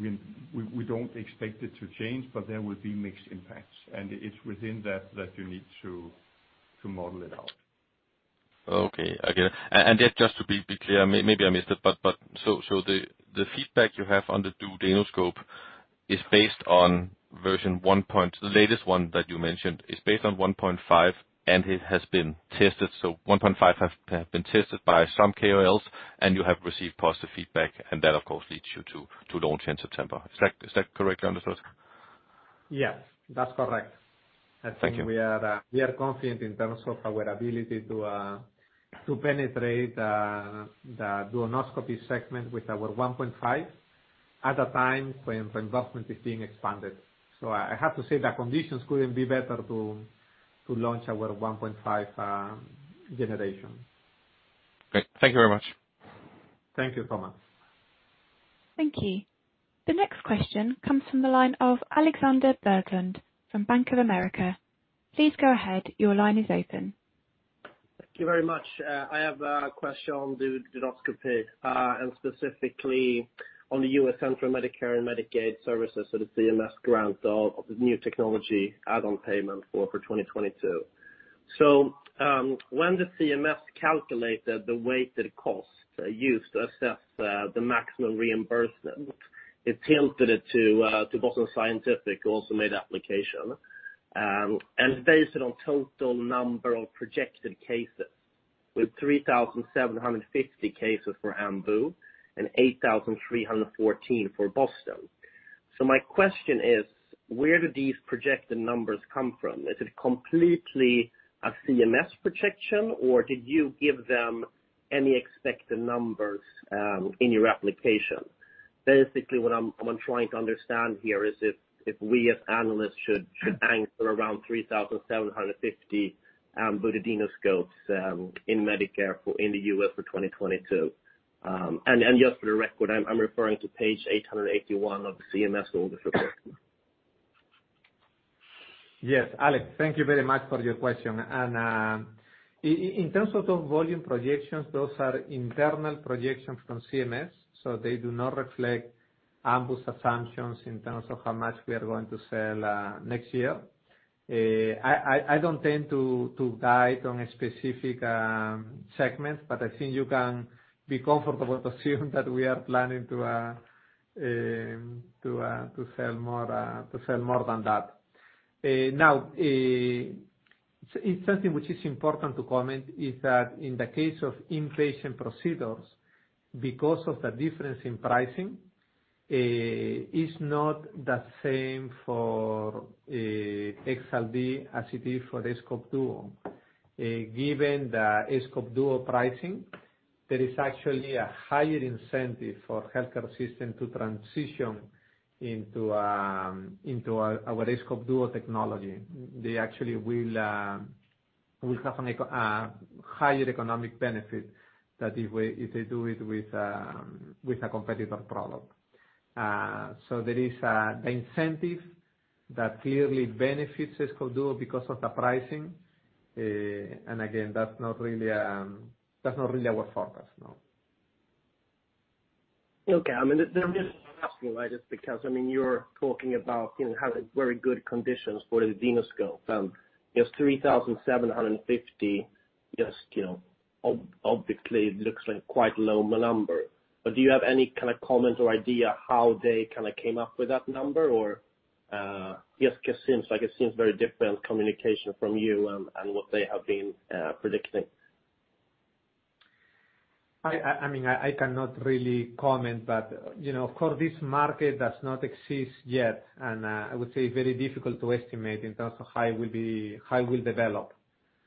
Speaker 3: we don't expect it to change, but there will be mixed impacts. It's within that you need to model it out.
Speaker 5: Okay. Again, and yet just to be clear, maybe I missed it, but the feedback you have on the duodenoscope, the latest one that you mentioned, is based on 1.5, and it has been tested. 1.5 has been tested by some KOLs, and you have received positive feedback, and that of course leads you to launch in September. Is that correctly understood?
Speaker 2: Yes, that's correct.
Speaker 5: Thank you.
Speaker 2: I think we are confident in terms of our ability to penetrate the duodenoscopy segment with our 1.5 at a time when reimbursement is being expanded. I have to say the conditions couldn't be better to launch our 1.5 generation.
Speaker 5: Great. Thank you very much.
Speaker 2: Thank you, Thomas.
Speaker 1: Thank you. The next question comes from the line of Alexander Berglund from Bank of America. Please go ahead, your line is open.
Speaker 6: Thank you very much. I have a question on duodenoscopy, and specifically on the Centers for Medicare & Medicaid Services, so the CMS grant of the new technology add-on payment for 2022. When the CMS calculated the weighted cost used to assess the maximum reimbursement, it tilted it to Boston Scientific who also made application, and based it on total number of projected cases with 3,750 cases for Ambu and 8,314 for Boston. My question is, where did these projected numbers come from? Is it completely a CMS projection, or did you give them any expected numbers in your application? Basically, what I'm trying to understand here is if we as analysts should anchor around 3,750 Ambu duodenoscopes in Medicare in the U.S. for 2022. Just for the record, I'm referring to page 881 of the CMS rule for.
Speaker 2: Yes, Alex, thank you very much for your question. In terms of those volume projections, those are internal projections from CMS, so they do not reflect Ambu's assumptions in terms of how much we are going to sell next year. I don't tend to guide on a specific segment, but I think you can be comfortable to assume that we are planning to sell more than that. Something which is important to comment is that in the case of inpatient procedures, because of the difference in pricing, it's not the same for EXALT D as it is for aScope Duo. Given the aScope Duo pricing, there is actually a higher incentive for healthcare system to transition into our aScope Duo technology. They actually will have a higher economic benefit than if they do it with a competitor product. There is the incentive that clearly benefits aScope Duo because of the pricing. Again, that's not really our forecast, no.
Speaker 6: Okay. The reason I'm asking, just because you're talking about having very good conditions for the duodenoscope. It's 3,750, obviously it looks like quite a low number. Do you have any kind of comment or idea how they came up with that number? Just seems like it seems very different communication from you and what they have been predicting.
Speaker 2: I cannot really comment, but of course, this market does not exist yet, and I would say very difficult to estimate in terms of how it will develop.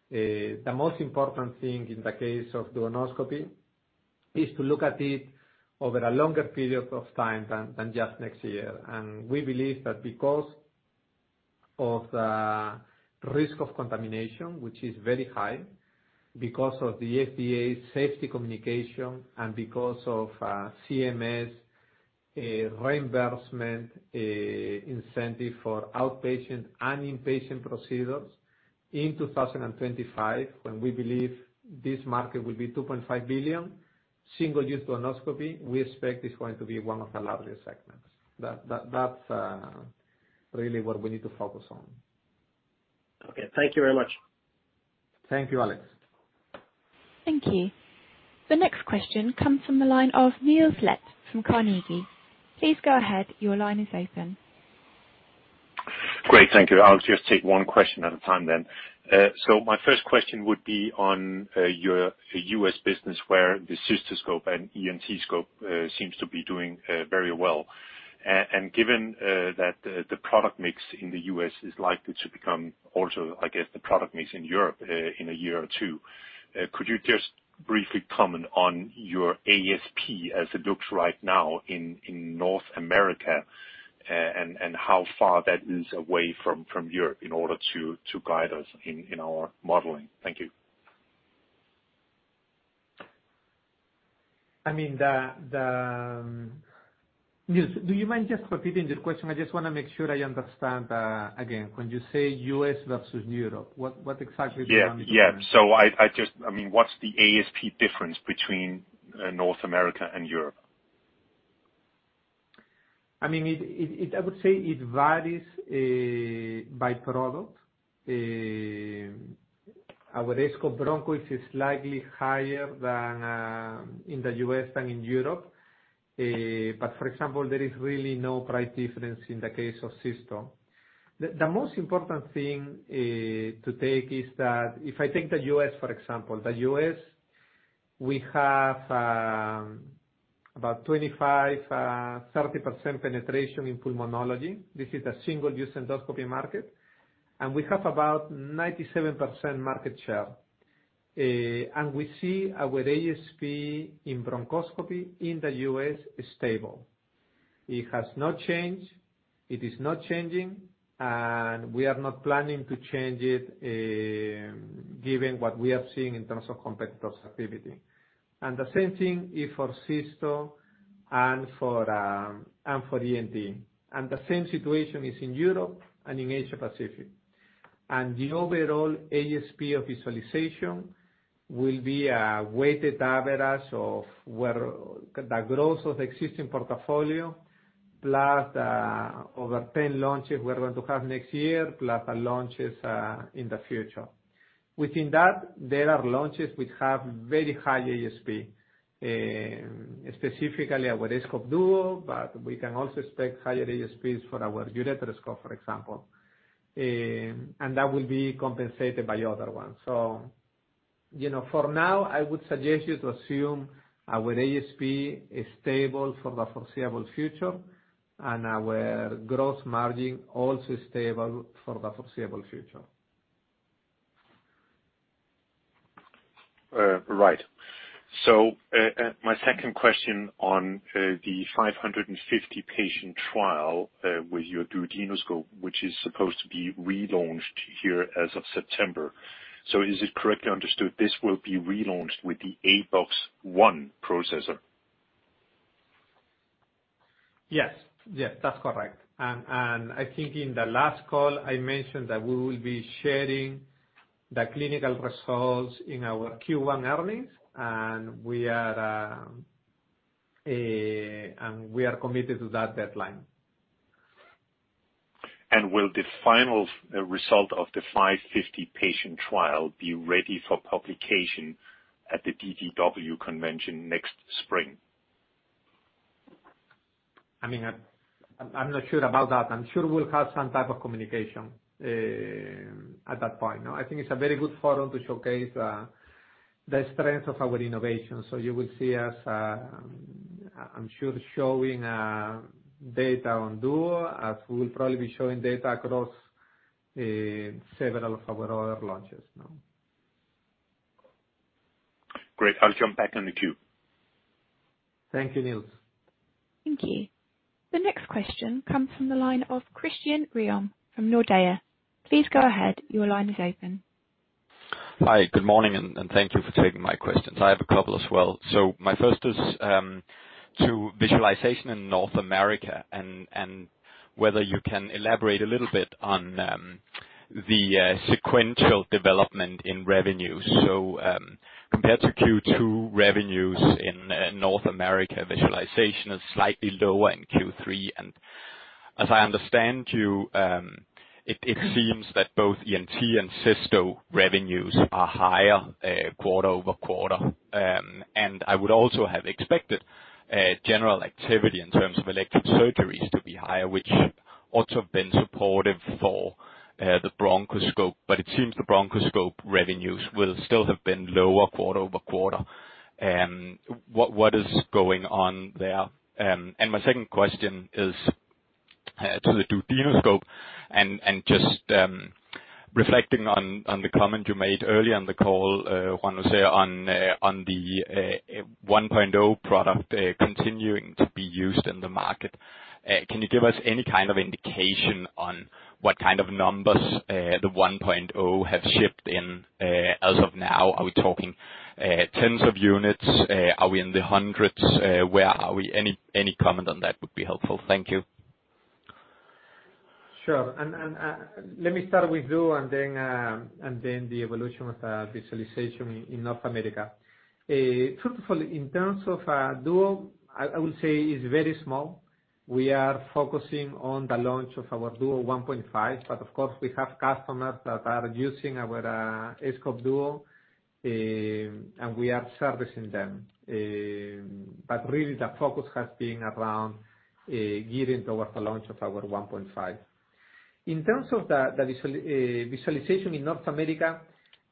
Speaker 2: The most important thing in the case of duodenoscopy is to look at it over a longer period of time than just next year. We believe that because of the risk of contamination, which is very high, because of the FDA's safety communication, and because of CMS reimbursement incentive for outpatient and inpatient procedures in 2025, when we believe this market will be $2.5 billion, single-use duodenoscopy, we expect it's going to be one of the larger segments. That's really what we need to focus on.
Speaker 6: Okay. Thank you very much.
Speaker 2: Thank you, Alex.
Speaker 1: Thank you. The next question comes from the line of Niels Granholm-Leth from Carnegie. Please go ahead, your line is open.
Speaker 7: Great. Thank you. I'll just take one question at a time then. My first question would be on your U.S. business, where the cystoscope and ENT scope seems to be doing very well. Given that the product mix in the U.S. is likely to become also, I guess, the product mix in Europe in a year or two, could you just briefly comment on your ASP as it looks right now in North America and how far that is away from Europe in order to guide us in our modeling? Thank you.
Speaker 2: Niels, do you mind just repeating the question? I just want to make sure I understand again. When you say U.S. versus Europe, what exactly do you mean?
Speaker 7: Yeah. What's the ASP difference between North America and Europe?
Speaker 2: I would say it varies by product. Our aScope Broncho is slightly higher in the U.S. than in Europe. For example, there is really no price difference in the case of Cysto. The most important thing to take is that if I take the U.S., for example. The U.S., we have about 25%-30% penetration in pulmonology. This is the single-use endoscopy market, and we have about 97% market share. We see our ASP in bronchoscopy in the U.S. is stable. It has not changed, it is not changing, and we are not planning to change it, given what we are seeing in terms of competitors' activity. The same thing is for Cysto and for ENT. The same situation is in Europe and in Asia Pacific. The overall ASP of visualization will be a weighted average of where the growth of existing portfolio plus the over 10 launches we are going to have next year, plus our launches in the future. Within that, there are launches which have very high ASP, specifically our aScope Duo, but we can also expect higher ASPs for our ureteroscope, for example, and that will be compensated by other ones. For now, I would suggest you to assume our ASP is stable for the foreseeable future and our gross margin also stable for the foreseeable future.
Speaker 7: Right. My second question on the 550-patient trial with your duodenoscope, which is supposed to be relaunched here as of September. Is it correctly understood this will be relaunched with the aBox 1 processor?
Speaker 2: Yes, that's correct. I think in the last call, I mentioned that we will be sharing the clinical results in our Q1 earnings, and we are committed to that deadline.
Speaker 7: Will the final result of the 550-patient trial be ready for publication at the DDW Convention next spring?
Speaker 2: I'm not sure about that. I'm sure we'll have some type of communication at that point. I think it's a very good forum to showcase the strength of our innovation. You will see us, I'm sure, showing data on Duo as we will probably be showing data across several of our other launches now.
Speaker 7: Great. I'll jump back in the queue.
Speaker 2: Thank you, Niels.
Speaker 1: Thank you. The next question comes from the line of Christian Riis from Nordea. Please go ahead, your line is open.
Speaker 8: Hi, good morning, and thank you for taking my questions. I have a couple as well. My 1st is to visualization in North America, and whether you can elaborate a little bit on the sequential development in revenue. Compared to Q2 revenues in North America, visualization is slightly lower in Q3. As I understand you, it seems that both ENT and Cysto revenues are higher quarter-over-quarter. I would also have expected general activity in terms of elective surgeries to be higher, which ought to have been supportive for the bronchoscope. It seems the bronchoscope revenues will still have been lower quarter-over-quarter. What is going on there? My 2nd question is to the duodenoscope, and just reflecting on the comment you made earlier on the call, Juan-José, on the 1.0 product continuing to be used in the market. Can you give us any kind of indication on what kind of numbers the 1.0 have shipped in as of now? Are we talking tens of units? Are we in the hundreds? Where are we? Any comment on that would be helpful. Thank you.
Speaker 2: Sure. Let me start with Duo and then the evolution of visualization in North America. Truthfully, in terms of Duo, I will say it is very small. We are focusing on the launch of our Duo 1.5, but of course, we have customers that are using our aScope Duo, and we are servicing them. Really the focus has been around gearing towards the launch of our 1.5. In terms of the visualization in North America,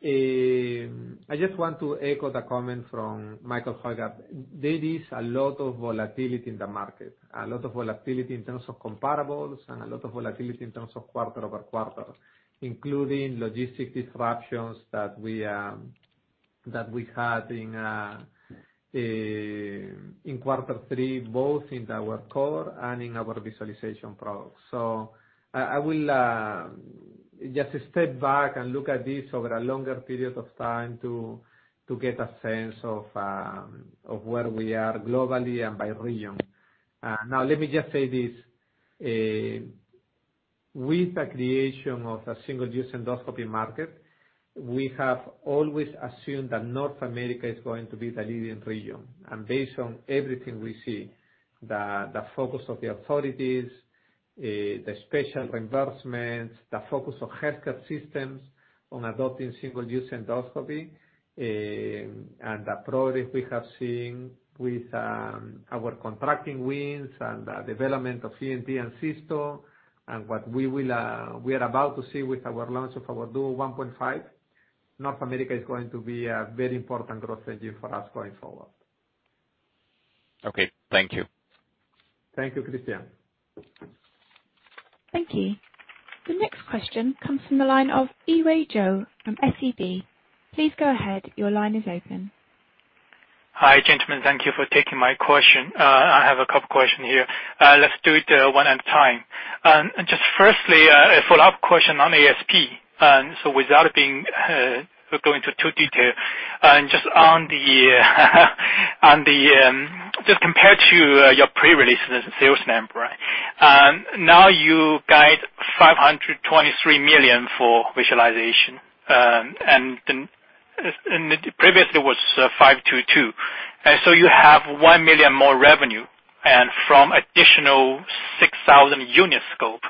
Speaker 2: I just want to echo the comment from Michael Hejgaard. There is a lot of volatility in the market, a lot of volatility in terms of comparables, and a lot of volatility in terms of quarter-over-quarter, including logistic disruptions that we had in quarter three, both in our core and in our visualization products. I will just step back and look at this over a longer period of time to get a sense of where we are globally and by region. Let me just say this. With the creation of a single-use endoscopy market, we have always assumed that North America is going to be the leading region. Based on everything we see, the focus of the authorities, the special reimbursements, the focus of healthcare systems on adopting single-use endoscopy, and the progress we have seen with our contracting wins and the development of ENT and Cysto, and what we are about to see with our launch of our Duo 1.5, North America is going to be a very important growth engine for us going forward.
Speaker 8: Okay. Thank you.
Speaker 2: Thank you, Christian.
Speaker 1: Thank you. The next question comes from the line of Yiwei Zhou from SEB. Please go ahead. Your line is open.
Speaker 9: Hi, gentlemen. Thank you for taking my question. I have two questions here. Let's do it one at a time. Firstly, a follow-up question on ASP. Without going into too detail, and just compared to your pre-release sales number. Now you guide 523 million for visualization. Previously it was 522 million. You have 1 million more revenue and from additional 6,000 unit scope.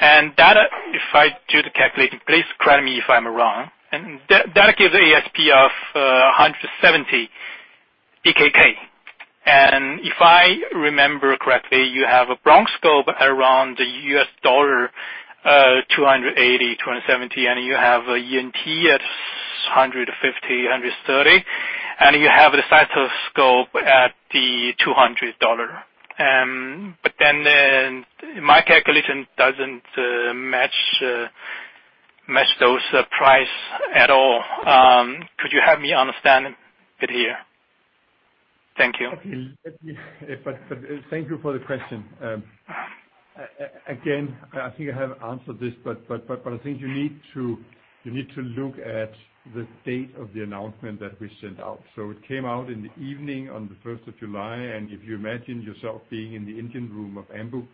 Speaker 9: That, if I do the calculation, please correct me if I'm wrong, that gives ASP of 170 DKK. If I remember correctly, you have a bronchoscope around the US dollar, $280, $270, and you have an aScope ENT at 150, 130, and you have the aScope Cysto at DKK 200. My calculation doesn't match those price at all. Could you help me understand a bit here? Thank you.
Speaker 3: Thank you for the question. Again, I think I have answered this, but I think you need to look at the date of the announcement that we sent out. It came out in the evening on the 1st of July, and if you imagine yourself being in the engine room of Ambu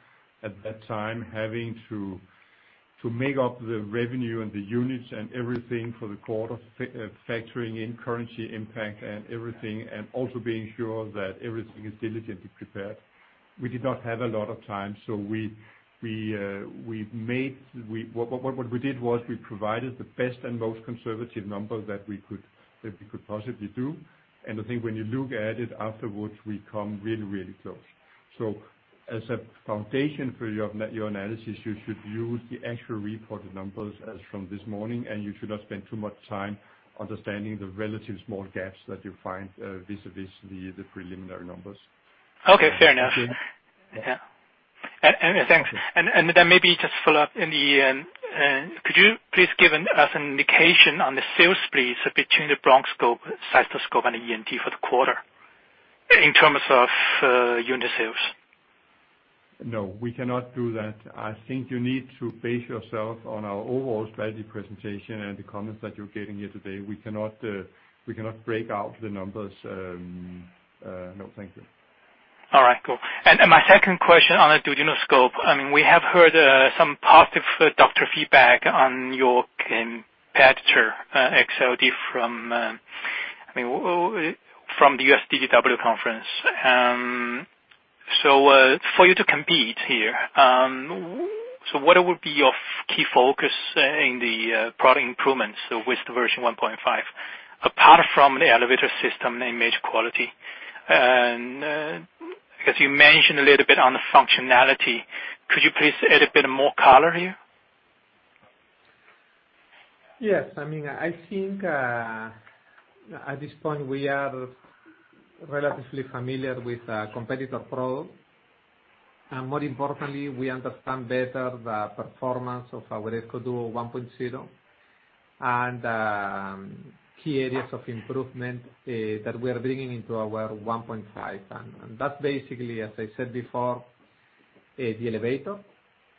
Speaker 3: at that time, having to make up the revenue and the units and everything for the quarter, factoring in currency impact and everything, and also being sure that everything is diligently prepared. We did not have a lot of time. What we did was we provided the best and most conservative number that we could possibly do. I think when you look at it afterwards, we come really close. As a foundation for your analysis, you should use the actual reported numbers as from this morning, and you should not spend too much time understanding the relative small gaps that you find vis-a-vis the preliminary numbers.
Speaker 9: Okay, fair enough. Yeah. Thanks. Then maybe just follow up in the end, could you please give us an indication on the sales split between the bronchoscope, cystoscope, and ENT for the quarter, in terms of unit sales?
Speaker 3: No, we cannot do that. I think you need to base yourself on our overall strategy presentation and the comments that you're getting here today. We cannot break out the numbers. No, thank you.
Speaker 9: All right, cool. My 2nd question on the duodenoscope. We have heard some positive doctor feedback on your competitor, EXALT D from the DDW conference. For you to compete here, what would be your key focus in the product improvements with the version 1.5, apart from the elevator system and image quality? I guess you mentioned a little bit on the functionality. Could you please add a bit more color here?
Speaker 2: Yes. I think, at this point, we are relatively familiar with competitor product. More importantly, we understand better the performance of our aScope Duo 1.0, and key areas of improvement that we are bringing into our 1.5. That's basically, as I said before, the elevator.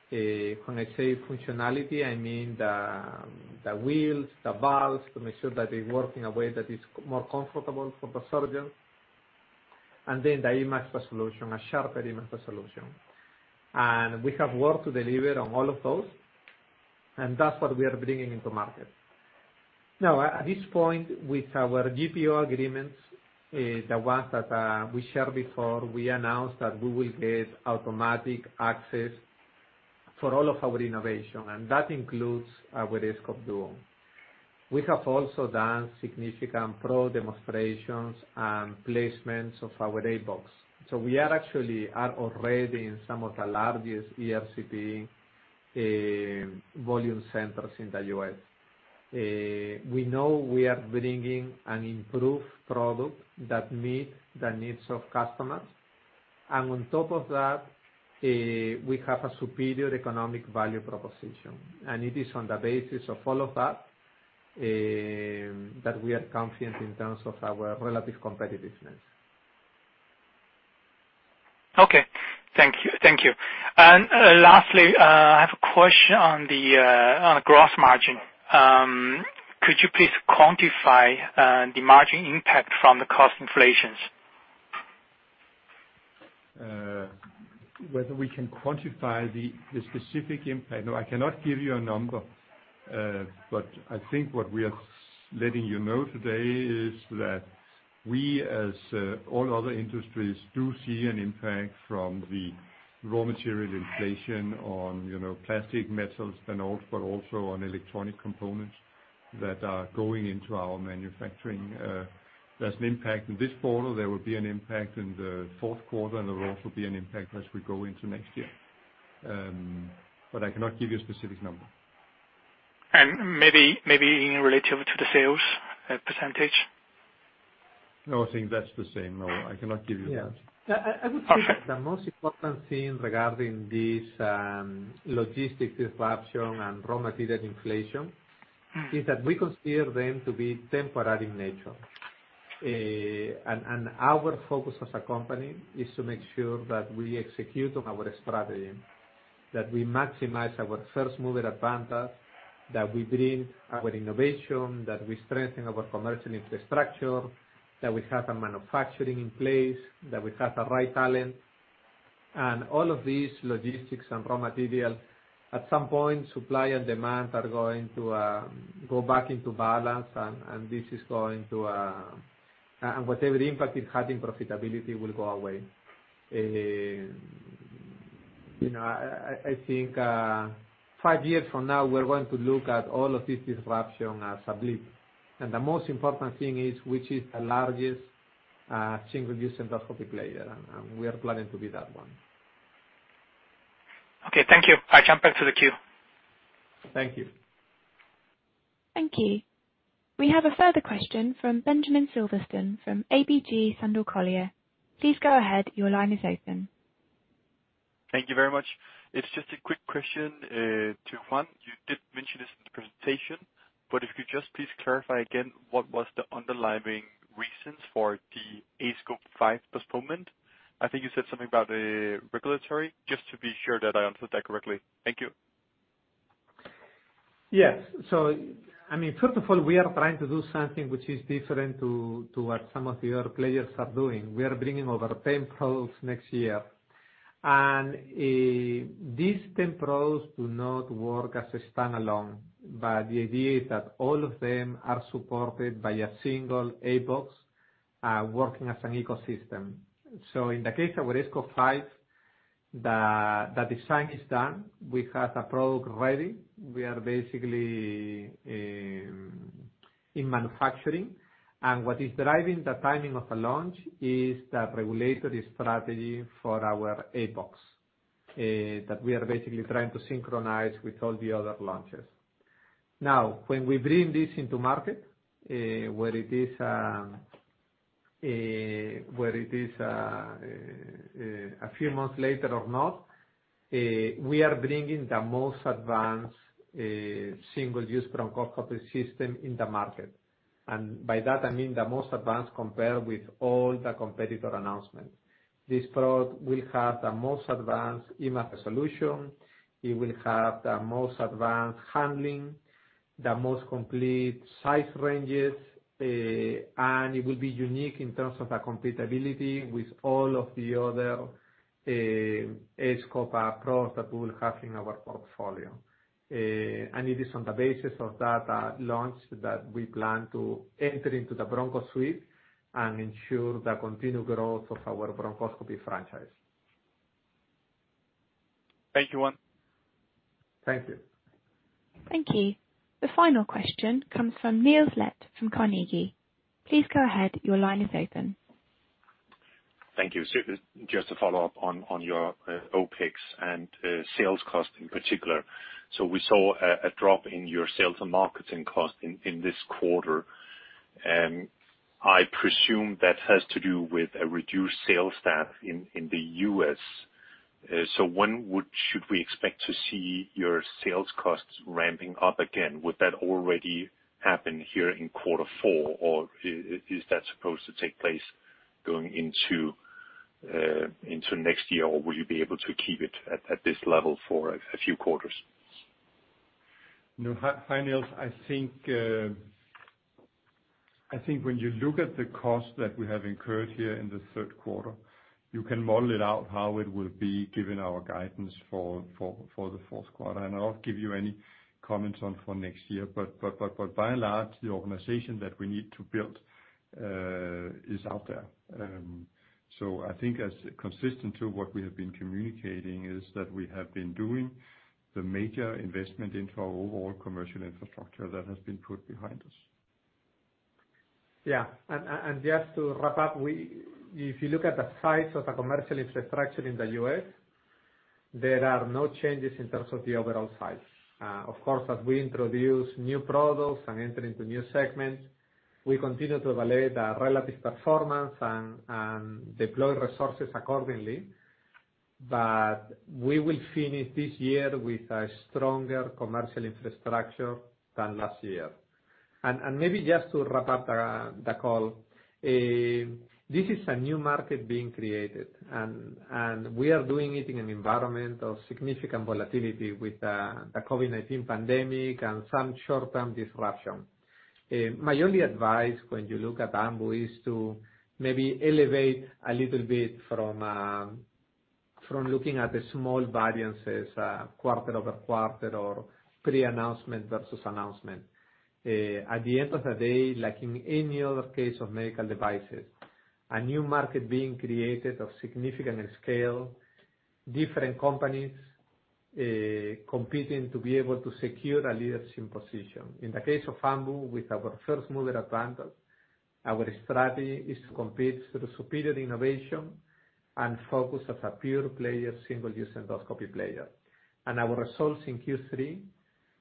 Speaker 2: When I say functionality, I mean the wheels, the valves, to make sure that they work in a way that is more comfortable for the surgeon. Then the image resolution, a sharper image resolution. We have work to deliver on all of those, and that's what we are bringing into market. Now, at this point with our GPO agreements, the ones that we shared before, we announced that we will get automatic access for all of our innovation. That includes our aScope Duo. We have also done significant pro demonstrations and placements of our aBox. We are actually already in some of the largest ERCP volume centers in the U.S. We know we are bringing an improved product that meet the needs of customers. On top of that, we have a superior economic value proposition. It is on the basis of all of that we are confident in terms of our relative competitiveness.
Speaker 9: Okay. Thank you. Lastly, I have a question on the gross margin. Could you please quantify the margin impact from the cost inflations?
Speaker 3: Whether we can quantify the specific impact? No, I cannot give you a number. I think what we are letting you know today is that we, as all other industries, do see an impact from the raw material inflation on plastic, metals, but also on electronic components that are going into our manufacturing. There's an impact in this quarter, there will be an impact in the fourth quarter, and there will also be an impact as we go into next year. I cannot give you a specific number.
Speaker 9: Maybe in relative to the sales at percentage?
Speaker 3: No, I think that's the same. No, I cannot give you that.
Speaker 2: Yeah. I would say the most important thing regarding this logistics disruption and raw material inflation, is that we consider them to be temporary in nature. Our focus as a company is to make sure that we execute on our strategy, that we maximize our first-mover advantage, that we bring our innovation, that we strengthen our commercial infrastructure, that we have the manufacturing in place, that we have the right talent. All of these logistics and raw material, at some point, supply and demand are going to go back into balance and whatever impact it had in profitability will go away. I think five years from now, we're going to look at all of this disruption as a blip. The most important thing is, which is the largest single-use endoscopic player, and we are planning to be that one.
Speaker 9: Okay, thank you. I jump back to the queue.
Speaker 2: Thank you.
Speaker 1: Thank you. We have a further question from Benjamin Silverton from ABG Sundal Collier. Please go ahead. Your line is open.
Speaker 4: Thank you very much. It is just a quick question to Juan. You did mention this in the presentation, but if you could just please clarify again what was the underlying reasons for the aScope 5 postponement? I think you said something about the regulatory, just to be sure that I understood that correctly. Thank you.
Speaker 2: Yes. First of all, we are trying to do something which is different to what some of the other players are doing. We are bringing over 10 probes next year. These 10 probes do not work as a standalone, but the idea is that all of them are supported by a single aBox, working as an ecosystem. In the case of aScope 5, the design is done. We have the product ready. We are basically in manufacturing. What is driving the timing of the launch is the regulatory strategy for our aBox, that we are basically trying to synchronize with all the other launches. When we bring this into market, whether it is a few months later or not. We are bringing the most advanced single-use bronchoscopy system in the market. By that I mean the most advanced compared with all the competitor announcements. This product will have the most advanced image solution. It will have the most advanced handling, the most complete size ranges, and it will be unique in terms of the compatibility with all of the other aScope products that we will have in our portfolio. It is on the basis of that launch that we plan to enter into the broncho suite and ensure the continued growth of our bronchoscopy franchise.
Speaker 4: Thank you.
Speaker 2: Thank you.
Speaker 1: Thank you. The final question comes from Niels Granholm-Leth from Carnegie. Please go ahead. Your line is open.
Speaker 7: Thank you. Just to follow up on your OpEx and sales cost in particular. We saw a drop in your sales and marketing cost in this quarter. I presume that has to do with a reduced sales staff in the U.S. When should we expect to see your sales costs ramping up again? Would that already happen here in quarter four, or is that supposed to take place going into next year? Will you be able to keep it at this level for a few quarters?
Speaker 3: Hi, Niels. I think when you look at the cost that we have incurred here in the third quarter, you can model it out how it will be given our guidance for the fourth quarter. I'll not give you any comments on for next year. By and large, the organization that we need to build is out there. I think as consistent to what we have been communicating is that we have been doing the major investment into our overall commercial infrastructure that has been put behind us.
Speaker 2: Yeah. Just to wrap up, if you look at the size of the commercial infrastructure in the U.S., there are no changes in terms of the overall size. Of course, as we introduce new products and enter into new segments, we continue to evaluate the relative performance and deploy resources accordingly. We will finish this year with a stronger commercial infrastructure than last year. Maybe just to wrap up the call, this is a new market being created, and we are doing it in an environment of significant volatility with the COVID-19 pandemic and some short-term disruption. My only advice when you look at Ambu is to maybe elevate a little bit from looking at the small variances quarter-over-quarter or pre-announcement versus announcement. At the end of the day, like in any other case of medical devices, a new market being created of significant scale, different companies competing to be able to secure a leadership position. In the case of Ambu, with our first-mover advantage, our strategy is to compete through superior innovation and focus as a pure player, single-use endoscopy player. Our results in Q3,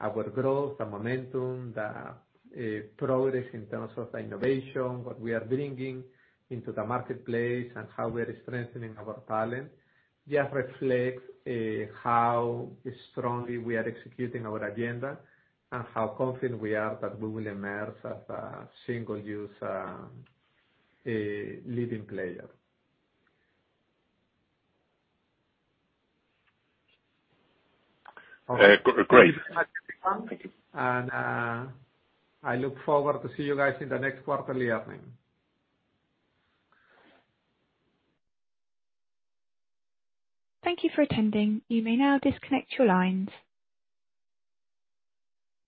Speaker 2: our growth, the momentum, the progress in terms of the innovation, what we are bringing into the marketplace and how we are strengthening our talent, just reflects how strongly we are executing our agenda and how confident we are that we will emerge as a single-use leading player.
Speaker 7: Great.
Speaker 2: I look forward to see you guys in the next quarterly earnings.
Speaker 1: Thank you for attending. You may now disconnect your lines.